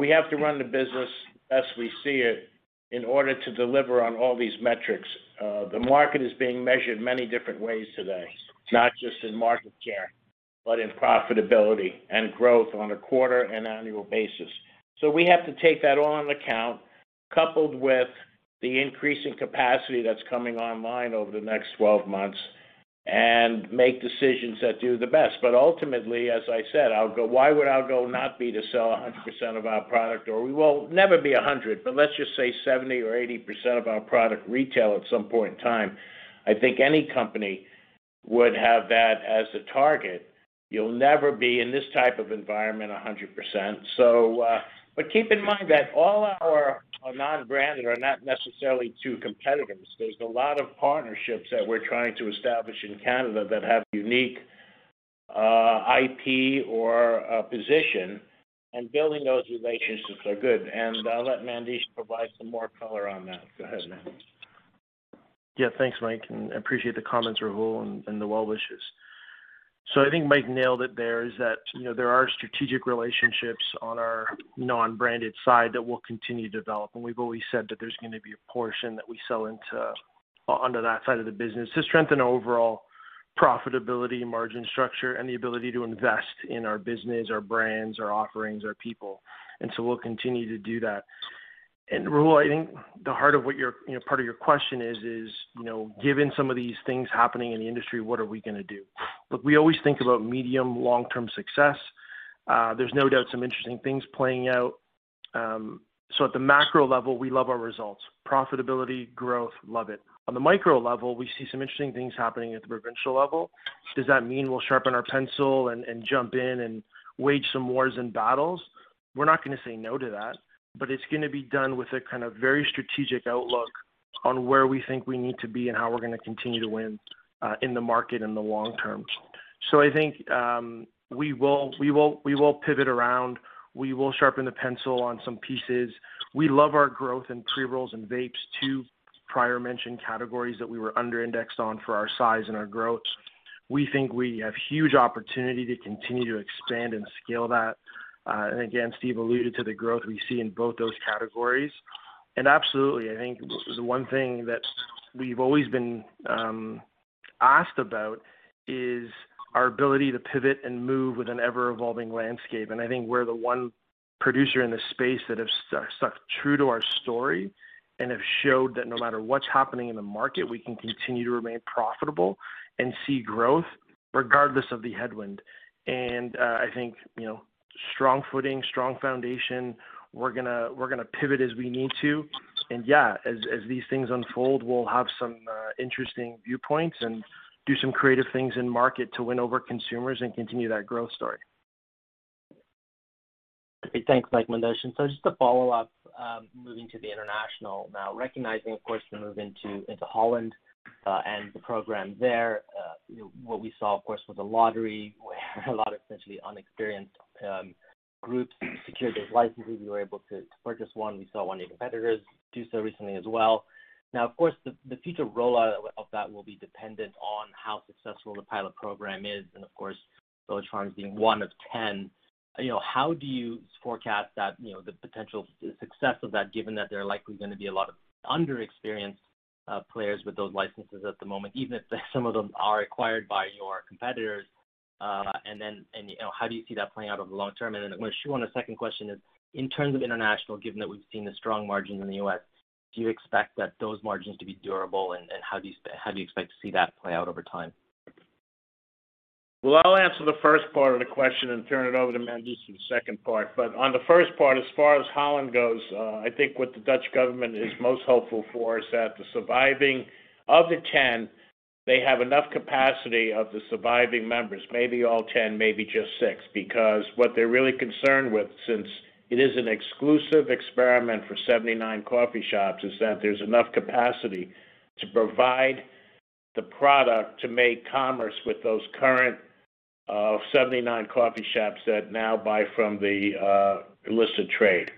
We have to run the business best we see it in order to deliver on all these metrics. The market is being measured many different ways today, not just in market share, but in profitability and growth on a quarter and annual basis. We have to take that all into account, coupled with the increase in capacity that's coming online over the next 12 months, and make decisions that do the best but ultimately, as I said, our goal why would our goal not be to sell 100% of our product, or we will never be 100%, but let's just say 70% or 80% of our product retail at some point in time. I think any company would have that as a target. You'll never be in this type of environment 100%. Keep in mind that all our non-branded are not necessarily to competitors. There's a lot of partnerships that we're trying to establish in Canada that have unique IP or position, and building those relationships are good. I'll let Mandesh provide some more color on that. Go ahead, Mandesh. Yeah, thanks, Mike, and appreciate the comments, Rahul, and the well wishes. I think Mike nailed it. There is that, you know, there are strategic relationships on our non-branded side that we'll continue to develop, and we've always said that there's gonna be a portion that we sell into, under that side of the business to strengthen overall profitability, margin structure, and the ability to invest in our business, our brands, our offerings, our people and so, we'll continue to do that. Rahul, I think the heart of what your, you know, part of your question is, you know, given some of these things happening in the industry, what are we gonna do? Look, we always think about medium long-term success. There's no doubt some interesting things playing out. At the macro level, we love our results, profitability, growth, love it on the micro level, we see some interesting things happening at the provincial level. Does that mean we'll sharpen our pencil and jump in and wage some wars and battles? We're not gonna say no to that, but it's gonna be done with a kind of very strategic outlook on where we think we need to be and how we're gonna continue to win in the market in the long term. I think we will pivot around. We will sharpen the pencil on some pieces. We love our growth in pre-rolls and vapes, two prior mentioned categories that we were under-indexed on for our size and our growth. We think we have huge opportunity to continue to expand and scale that. And again, Steph alluded to the growth we see in both those categories. Absolutely, I think one thing that we've always been asked about is our ability to pivot and move with an ever-evolving landscape i think we're the one producer in this space that have stuck true to our story and have showed that no matter what's happening in the market, we can continue to remain profitable and see growth regardless of the headwind. I think, you know, strong footing, strong foundation, we're gonna pivot as we need to. As these things unfold, we'll have some interesting viewpoints and do some creative things in market to win over consumers and continue that growth story. Okay, thanks, Mike, Mandesh. Just a follow-up, moving to the international. Now, recognizing, of course, the move into Holland, and the program there. What we saw, of course, was a lottery where a lot of essentially inexperienced groups secured those licenses we were able to purchase one we saw one of your competitors do so recently as well. Now, of course, the future rollout of that will be dependent on how successful the pilot program is and of course, Village Farms being one of 10, you know, how do you forecast that? you know, the potential success of that, given that there are likely gonna be a lot of inexperienced players with those licenses at the moment, even if some of them are acquired by your competitors. You know, how do you see that playing out over the long term? My second question is, in terms of international, given that we've seen the strong margins in the U.S., do you expect those margins to be durable, and how do you expect to see that play out over time? Well, I'll answer the first part of the question and turn it over to Mandesh for the second part but on the first part, as far as Holland goes, I think what the Dutch government is most hopeful for is that the surviving of the 10, they have enough capacity of the surviving members, maybe all 10, maybe just six, because what they're really concerned with, since it is an exclusive experiment for 79 coffee shops, is that there's enough capacity to provide the product to make commerce with those current 79 coffee shops that now buy from the illicit trade.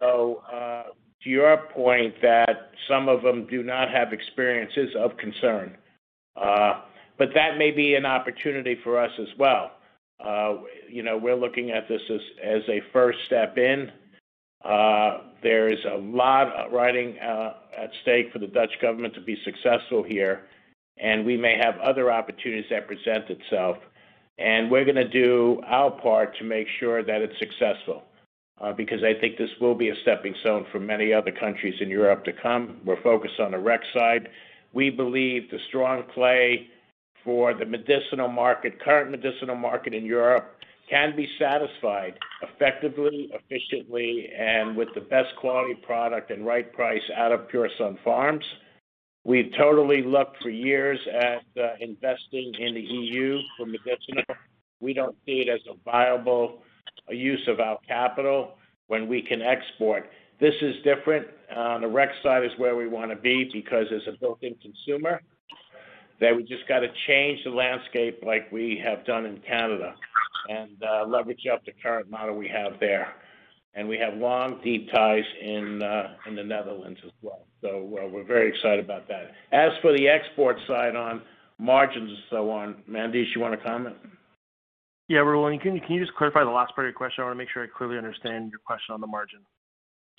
To your point that some of them do not have experience is of concern. But that may be an opportunity for us as well. You know, we're looking at this as a first step in. There is a lot riding at stake for the Dutch government to be successful here, and we may have other opportunities that present itself. We're gonna do our part to make sure that it's successful, because I think this will be a stepping stone for many other countries in Europe to come we're focused on the rec side. We believe the strong play for the medicinal market, current medicinal market in Europe, can be satisfied effectively, efficiently, and with the best quality product and right price out of Pure Sunfarms. We've totally looked for years at investing in the EU for medicinal. We don't see it as a viable use of our capital when we can export. This is different. The rec side is where we wanna be because there's a built-in consumer, that we just got to change the landscape like we have done in Canada and in the Netherlands as well we're very excited about that as for the export side on margins and so on, Mandesh, you wanna comment? Yeah. Rahul Sarugaser, can you just clarify the last part of your question? I wanna make sure I clearly understand your question on the margin.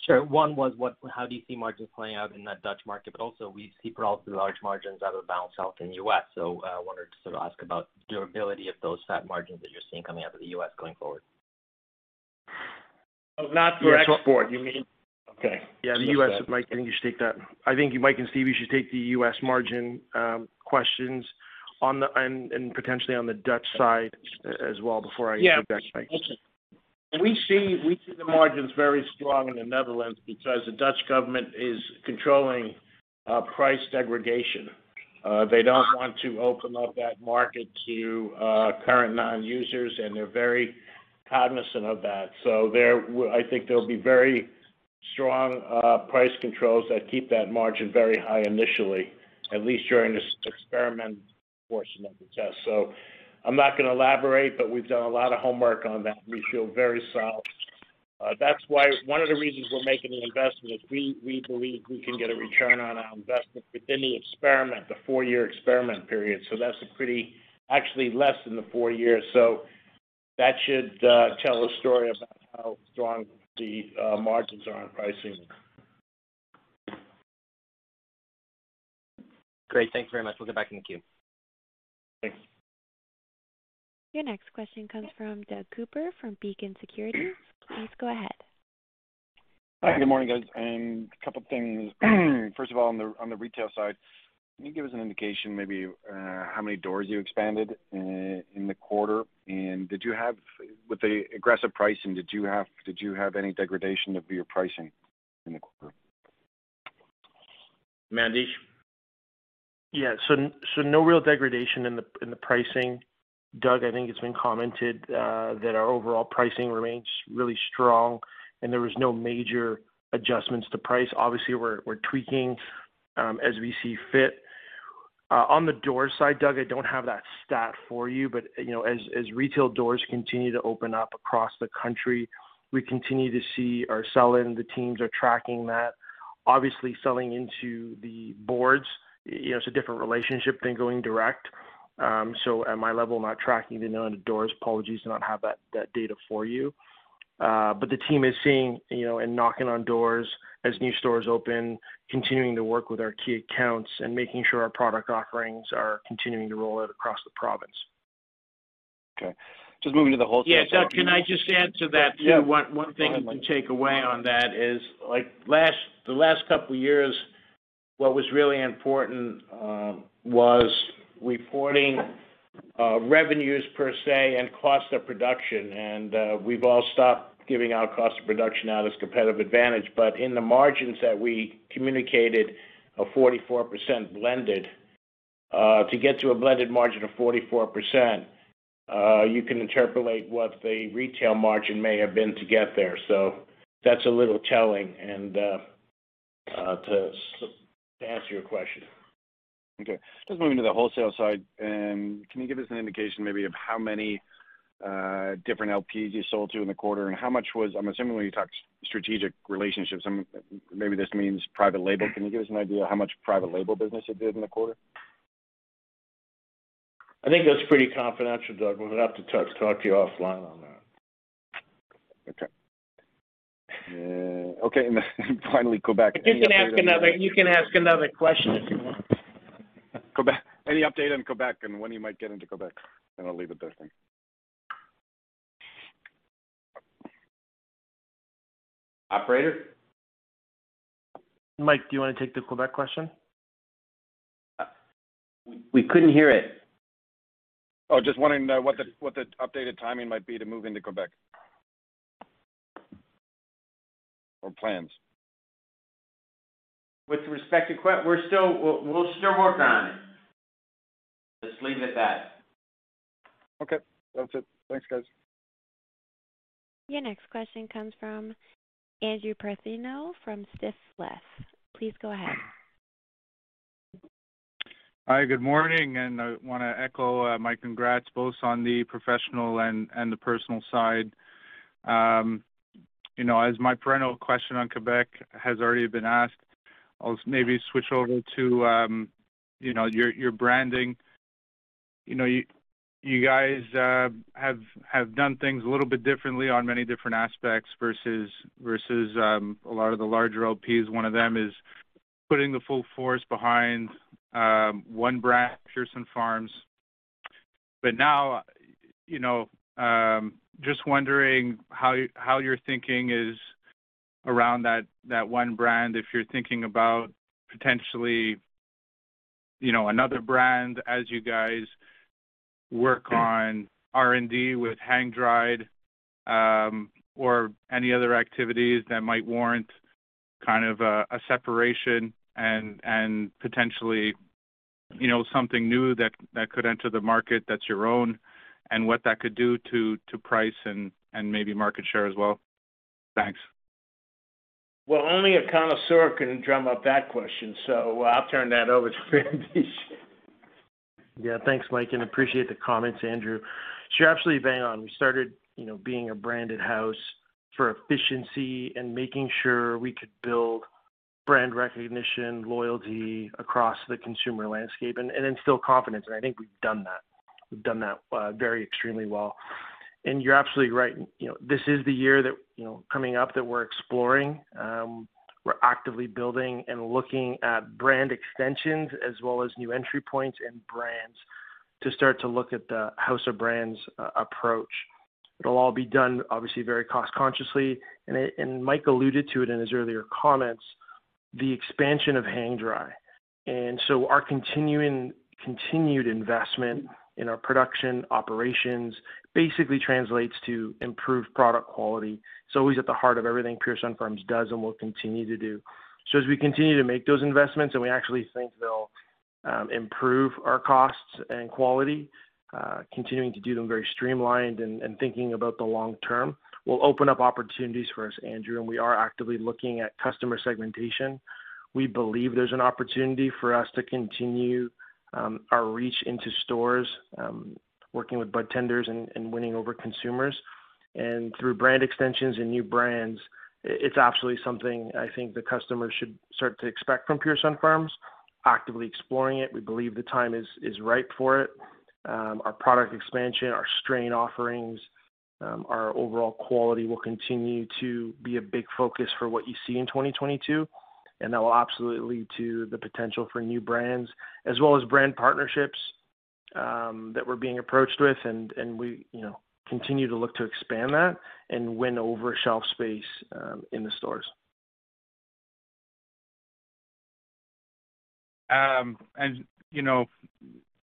Sure. One was what, how do you see margins playing out in that Dutch market, but also we see relatively large margins out of the Mountain South in the U.S. I wanted to sort of ask about durability of those fat margins that you're seeing coming out of the U.S. going forward. Oh, not for export. You mean, okay. Yeah, the U.S. Mike, I think you should take that. I think you, Mike and Steph, you should take the U.S. margin questions on them and potentially on the Dutch side as well before I- Yeah. -jump back. Okay. We see the margins very strong in the Netherlands because the Dutch government is controlling price segregation. They don't want to open up that market to current non-users, and they're very cognizant of that. I think there'll be very strong price controls that keep that margin very high initially, at least during this experiment portion of the test. I'm not gonna elaborate, but we've done a lot of homework on that we feel very solid. That's why one of the reasons we're making the investment is we believe we can get a return on our investment within the experiment, the four-year experiment period that's a pretty actually less than the four years. That should tell a story about how strong the margins are on pricing. Great. Thank you very much. We'll get back in the queue. Thanks. Your next question comes from Doug Cooper from Beacon Securities. Please go ahead. Hi, good morning, guys, and a couple of things. First of all, on the retail side, can you give us an indication maybe how many doors you expanded in the quarter? With the aggressive pricing, did you have any degradation of your pricing in the quarter? Mandesh? Yeah. No real degradation in the pricing. Doug, I think it's been commented that our overall pricing remains really strong, and there was no major adjustments to price obviously, we're tweaking as we see fit. On the door side, Doug, I don't have that stat for you, but you know, as retail doors continue to open up across the country, we continue to see our sell-in the teams are tracking that. Obviously, selling into the boards, you know, it's a different relationship than going direct. At my level, I'm not tracking the number of doors apologies, I do not have that data for you. The team is seeing, you know, and knocking on doors as new stores open, continuing to work with our key accounts and making sure our product offerings are continuing to roll out across the province. Okay. Just moving to the wholesale. Yeah. Doug, can I just add to that too? Yeah. One thing to take away on that is like the last couple of years, what was really important was reporting revenues per se and cost of production. We've all stopped giving out cost of production now as competitive advantage but in the margins that we communicated, a 44% blended to get to a blended margin of 44%, you can interpolate what the retail margin may have been to get there. That's a little telling. To answer your question. Okay. Just moving to the wholesale side. Can you give us an indication maybe of how many different LPs you sold to in the quarter? and how much was i'm assuming when you talk strategic relationships, maybe this means private label can you give us an idea how much private label business you did in the quarter? I think that's pretty confidential, Doug. We would have to talk to you offline on that. Okay. Okay. Finally, Quebec. You can ask another question if you want. Quebec. Any update on Quebec and when you might get into Quebec? I'll leave it there then. Mike, do you wanna take the Quebec question? We couldn't hear it. Oh, just wondering what the updated timing might be to move into Quebec or plans. We'll still work on it. Let's leave it that. Okay. That's it. Thanks, guys. Your next question comes from Andrew Partheniou from Stifel. Please go ahead. Hi. Good morning, and I wanna echo my congrats both on the professional and the personal side. You know, as my parental question on Quebec has already been asked, I'll maybe switch over to you know, your branding. You know, you guys have done things a little bit differently on many different aspects versus a lot of the larger LPs one of them is putting the full force behind one brand, Pure Sunfarms. Now, you know, just wondering how your thinking is around that one brand, if you're thinking about potentially, you know, another brand as you guys work on R&D with hang-dried, or any other activities that might warrant kind of a separation and potentially, you know, something new that could enter the market that's your own and what that could do to price and maybe market share as well. Thanks. Well, only a connoisseur can drum up that question, so I'll turn that over to Randy. Yeah. Thanks, Mike, and I appreciate the comments, Andrew. You're absolutely bang on we started, you know, being a branded house for efficiency and making sure we could build brand recognition, loyalty across the consumer landscape and instill confidence, and I think we've done that. We've done that very extremely well. You're absolutely right. You know, this is the year that, you know, coming up that we're exploring, we're actively building and looking at brand extensions as well as new entry points and brands to start to look at the house of brands approach. It'll all be done, obviously, very cost-consciously, and Mike alluded to it in his earlier comments, the expansion of hang-dry. Our continued investment in our production operations basically translates to improved product quality. It's always at the heart of everything Pure Sunfarms does and will continue to do. As we continue to make those investments, and we actually think they'll improve our costs and quality, continuing to do them very streamlined and thinking about the long term, will open up opportunities for us, Andrew, and we are actively looking at customer segmentation. We believe there's an opportunity for us to continue our reach into stores, working with bartenders and winning over consumers. Through brand extensions and new brands, it's absolutely something I think the customers should start to expect from Pure Sunfarms, actively exploring it we believe the time is ripe for it. Our product expansion, our strain offerings, our overall quality will continue to be a big focus for what you see in 2022, and that will absolutely lead to the potential for new brands as well as brand partnerships that we're being approached with and we, you know, continue to look to expand that and win over shelf space in the stores. You know,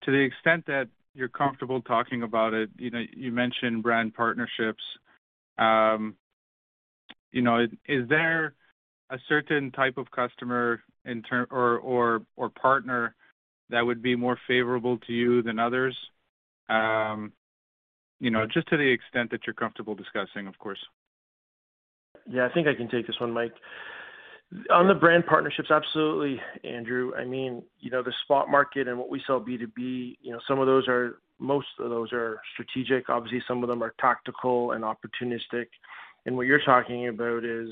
to the extent that you're comfortable talking about it, you know, you mentioned brand partnerships. You know, is there a certain type of customer or partner that would be more favorable to you than others? You know, just to the extent that you're comfortable discussing, of course. Yeah. I think I can take this one, Mike. On the brand partnerships, absolutely, Andrew. I mean, you know, the spot market and what we sell B2B, you know, some of those are most of those are strategic obviously, some of them are tactical and opportunistic. What you're talking about is,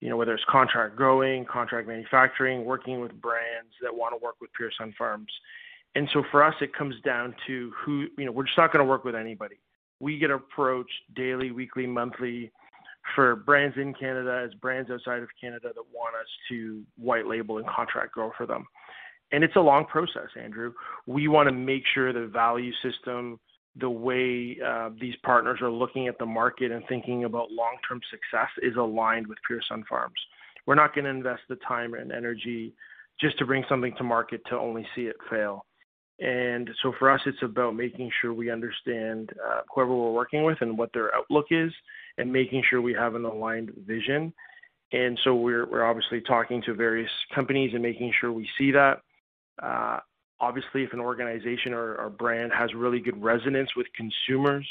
you know, whether it's contract growing, contract manufacturing, working with brands that wanna work with Pure Sunfarms. For us, it comes down to who you know, we're just not gonna work with anybody. We get approached daily, weekly, monthly for brands in Canada, as brands outside of Canada that want us to white label and contract grow for them. It's a long process, Andrew. We wanna make sure the value system, the way these partners are looking at the market and thinking about long-term success is aligned with Pure Sunfarms. We're not gonna invest the time and energy just to bring something to market to only see it fail. For us, it's about making sure we understand whoever we're working with and what their outlook is and making sure we have an aligned vision. We're obviously talking to various companies and making sure we see that. Obviously, if an organization or brand has really good resonance with consumers,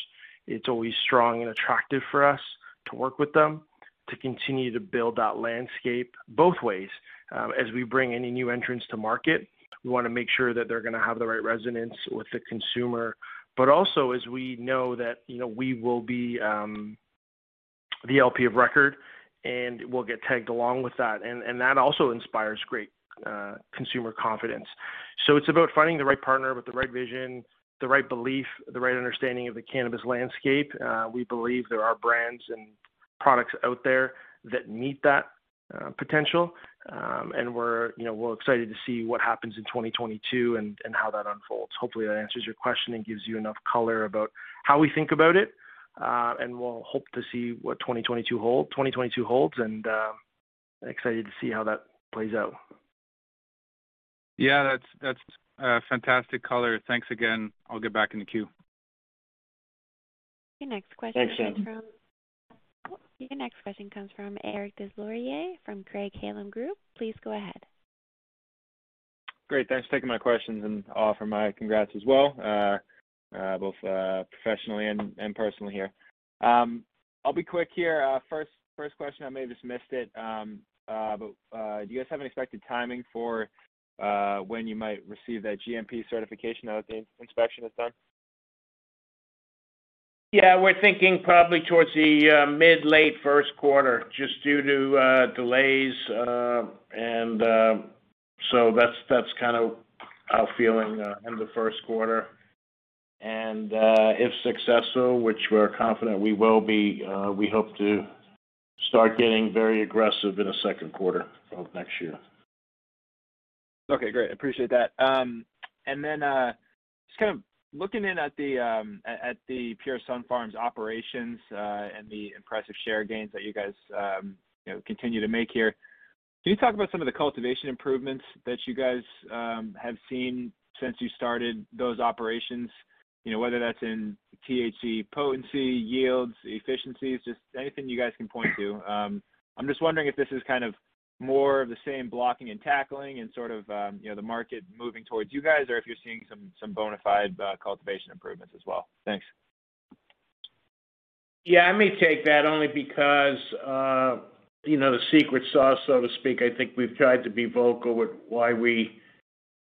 it's always strong and attractive for us to work with them to continue to build that landscape both ways. As we bring any new entrants to market, we wanna make sure that they're gonna have the right resonance with the consumer. Also, as we know that you know we will be the LP of record, and we'll get tagged along with that and that also inspires great consumer confidence. It's about finding the right partner with the right vision, the right belief, the right understanding of the cannabis landscape. We believe there are brands and products out there that meet that potential. We're excited to see what happens in 2022 and how that unfolds hopefully, that answers your question and gives you enough color about how we think about it, and we'll hope to see what 2022 holds and excited to see how that plays out. Yeah, that's fantastic color. Thanks again. I'll get back in the queue. Your next question comes from Thanks, Andrew. Your next question comes from Eric Des Lauriers from Craig-Hallum Capital Group. Please go ahead. Great. Thanks for taking my questions and offer my congrats as well, both professionally and personally here. I'll be quick here first question, I may have just missed it. Do you guys have an expected timing for when you might receive that GMP certification now that the inspection is done? Yeah. We're thinking probably towards the mid to late Q1, just due to delays. That's kind of our feeling in the Q1. If successful, which we're confident we will be, we hope to start getting very aggressive in the Q2 of next year. Okay, great. Appreciate that. Just kind of looking in at the Pure Sunfarms operations, and the impressive share gains that you guys, you know, continue to make here. Can you talk about some of the cultivation improvements that you guys have seen since you started those operations? You know, whether that's in THC potency, yields, efficiencies, just anything you guys can point to. I'm just wondering if this is kind of more of the same blocking and tackling and sort of, you know, the market moving towards you guys, or if you're seeing some bona fide cultivation improvements as well. Thanks. Yeah, I may take that only because, you know, the secret sauce, so to speak, I think we've tried to be vocal with why we,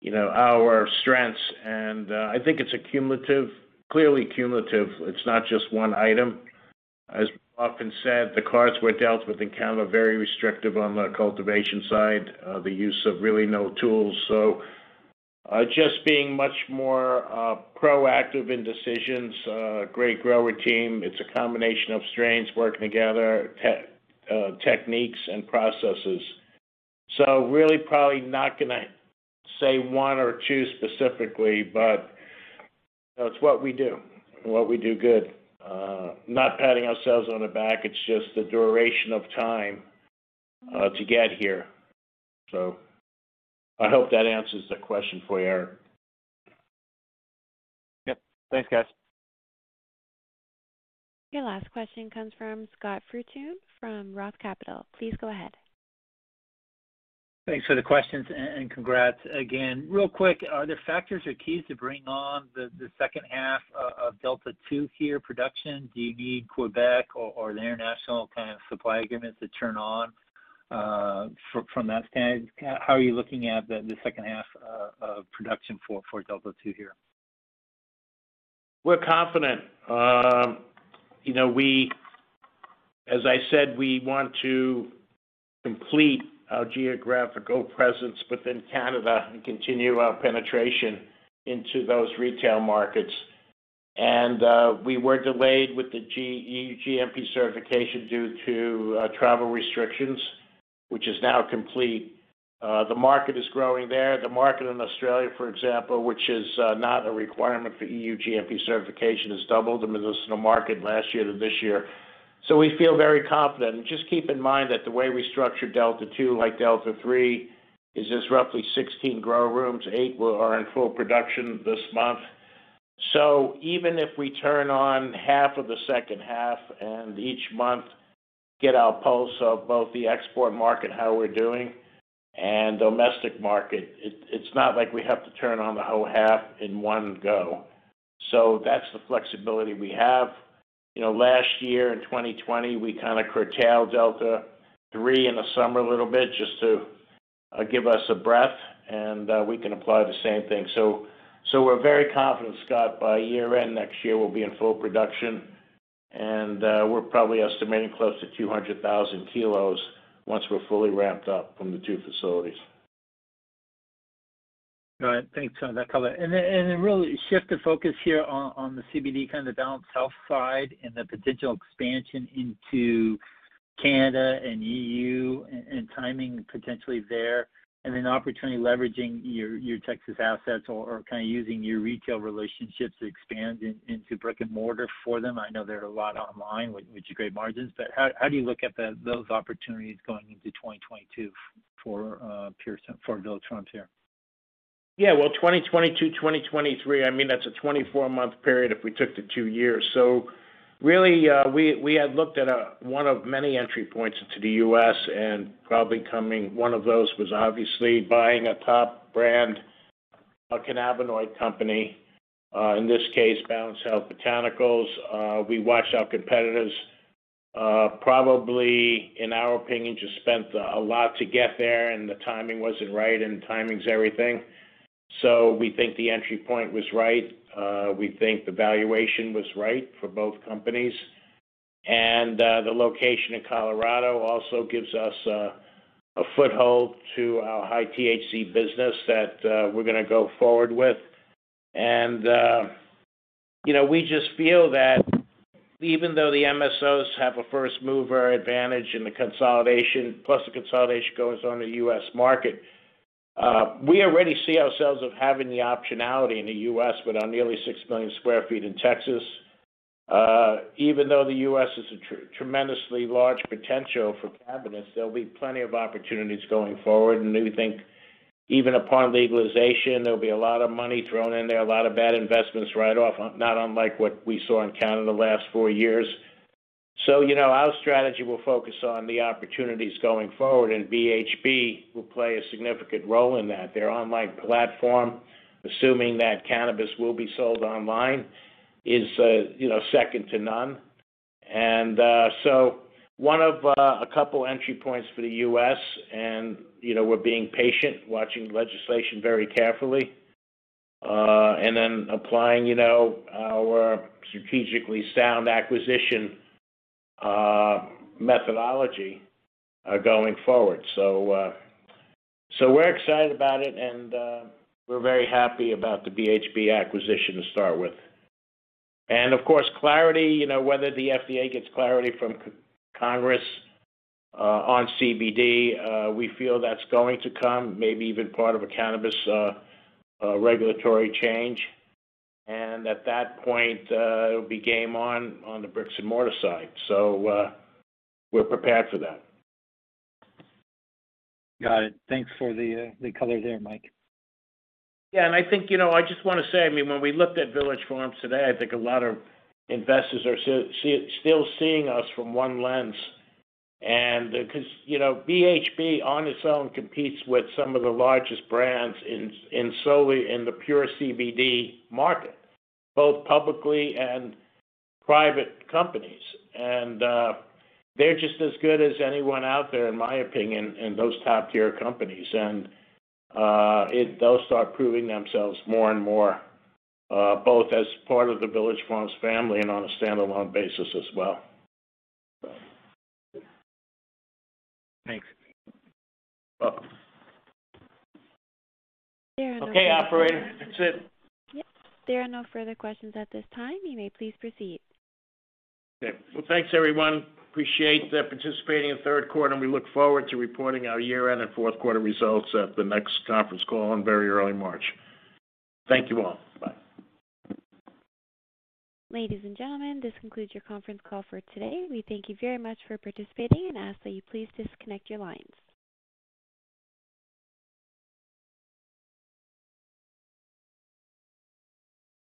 you know, our strengths, and, I think it's a cumulative it's not just one item. As often said, the cards were dealt with in Canada very restrictive on the cultivation side, the use of really no tools. Just being much more, proactive in decisions, great grower team. It's a combination of strains working together, techniques and processes. So really probably not gonna say one or two specifically, but it's what we do and what we do good. Not patting ourselves on the back, it's just the duration of time, to get here. I hope that answers the question for you, Eric. Yep. Thanks, guys. Your last question comes from Scott Fortune from Roth Capital. Please go ahead. Thanks for the questions and congrats again real quick, are there factors or keys to bring on the second half of Delta-2 tier production? Do you need Quebec or the international kind of supply agreements to turn on from that standpoint? How are you looking at the second half of production for Delta-2 here? We're confident. You know, as I said, we want to complete our geographical presence within Canada and continue our penetration into those retail markets. We were delayed with the GMP certification due to travel restrictions, which is now complete. The market is growing there the market in Australia, for example, which is not a requirement for EU GMP certification, has doubled in the medicinal market last year to this year. We feel very confident just keep in mind that the way we structured Delta-2, like Delta-3, is there's roughly 16 grow rooms eight are in full production this month. Even if we turn on half of the second half and each month get our pulse of both the export market, how we're doing, and domestic market, it's not like we have to turn on the whole half in one go. That's the flexibility we have. You know, last year in 2020, we kind of curtailed Delta-3 in the summer a little bit just to give us a breath, and we can apply the same thing. We're very confident, Scott, by year-end next year, we'll be in full production. We're probably estimating close to 200,000 kilos once we're fully ramped up from the two facilities. All right. Thanks for that color. Really shift the focus here on the CBD kind of down south side and the potential expansion into Canada and EU and timing potentially there, and then opportunity leveraging your Texas assets or kind of using your retail relationships to expand into brick-and-mortar for them i know they're a lot online, which are great margins, but how do you look at those opportunities going into 2022 for Pure Sunfarms for Delta-2 here? Yeah. Well, 2022, 2023, I mean, that's a 24-month period if we took the two years. Really, we had looked at one of many entry points into the U.S. and probably one of those was obviously buying a top brand, a cannabinoid company, in this case, Balanced Health Botanicals. We watched our competitors, probably in our opinion, just spent a lot to get there, and the timing wasn't right, and timing's everything. We think the entry point was right. We think the valuation was right for both companies. The location in Colorado also gives us a foothold to our high THC business that we're gonna go forward with. You know, we just feel that even though the MSOs have a first mover advantage in the consolidation, plus the consolidation goes on in the U.S. market, we already see ourselves as having the optionality in the U.S. with our nearly 6 million sq ft in Texas. Even though the U.S. is a tremendously large potential for cannabis, there'll be plenty of opportunities going forward we think even upon legalization, there'll be a lot of money thrown in there, a lot of bad investments right off, not unlike what we saw in Canada in the last four years. You know, our strategy will focus on the opportunities going forward, and BHB will play a significant role in that their online platform, assuming that cannabis will be sold online, is, you know, second to none. One of a couple entry points for the US and, you know, we're being patient, watching legislation very carefully, and then applying, you know, our strategically sound acquisition methodology going forward. We're excited about it, and we're very happy about the BHB acquisition to start with. Of course, clarity, you know, whether the FDA gets clarity from congress on CBD, we feel that's going to come, maybe even part of a cannabis regulatory change. At that point, it'll be game on on the bricks and mortar side. We're prepared for that. Got it. Thanks for the color there, Mike. Yeah. I think, you know, I just wanna say, I mean, when we looked at Village Farms today, I think a lot of investors are still seeing us from one lens. 'Cause, you know, BHB on its own competes with some of the largest brands solely in the pure CBD market, both publicly and private companies. They're just as good as anyone out there, in my opinion, in those top-tier companies. They'll start proving themselves more and more, both as part of the Village Farms family and on a standalone basis as well. Thanks. You're welcome. There are no further questions. Okay, operator, that's it. Yes. There are no further questions at this time. You may please proceed. Okay. Well, thanks everyone. Appreciate participating in Q3, and we look forward to reporting our year-end and Q4 results at the next conference call in very early March. Thank you all. Bye. Ladies and gentlemen, this concludes your conference call for today. We thank you very much for participating and ask that you please disconnect your lines.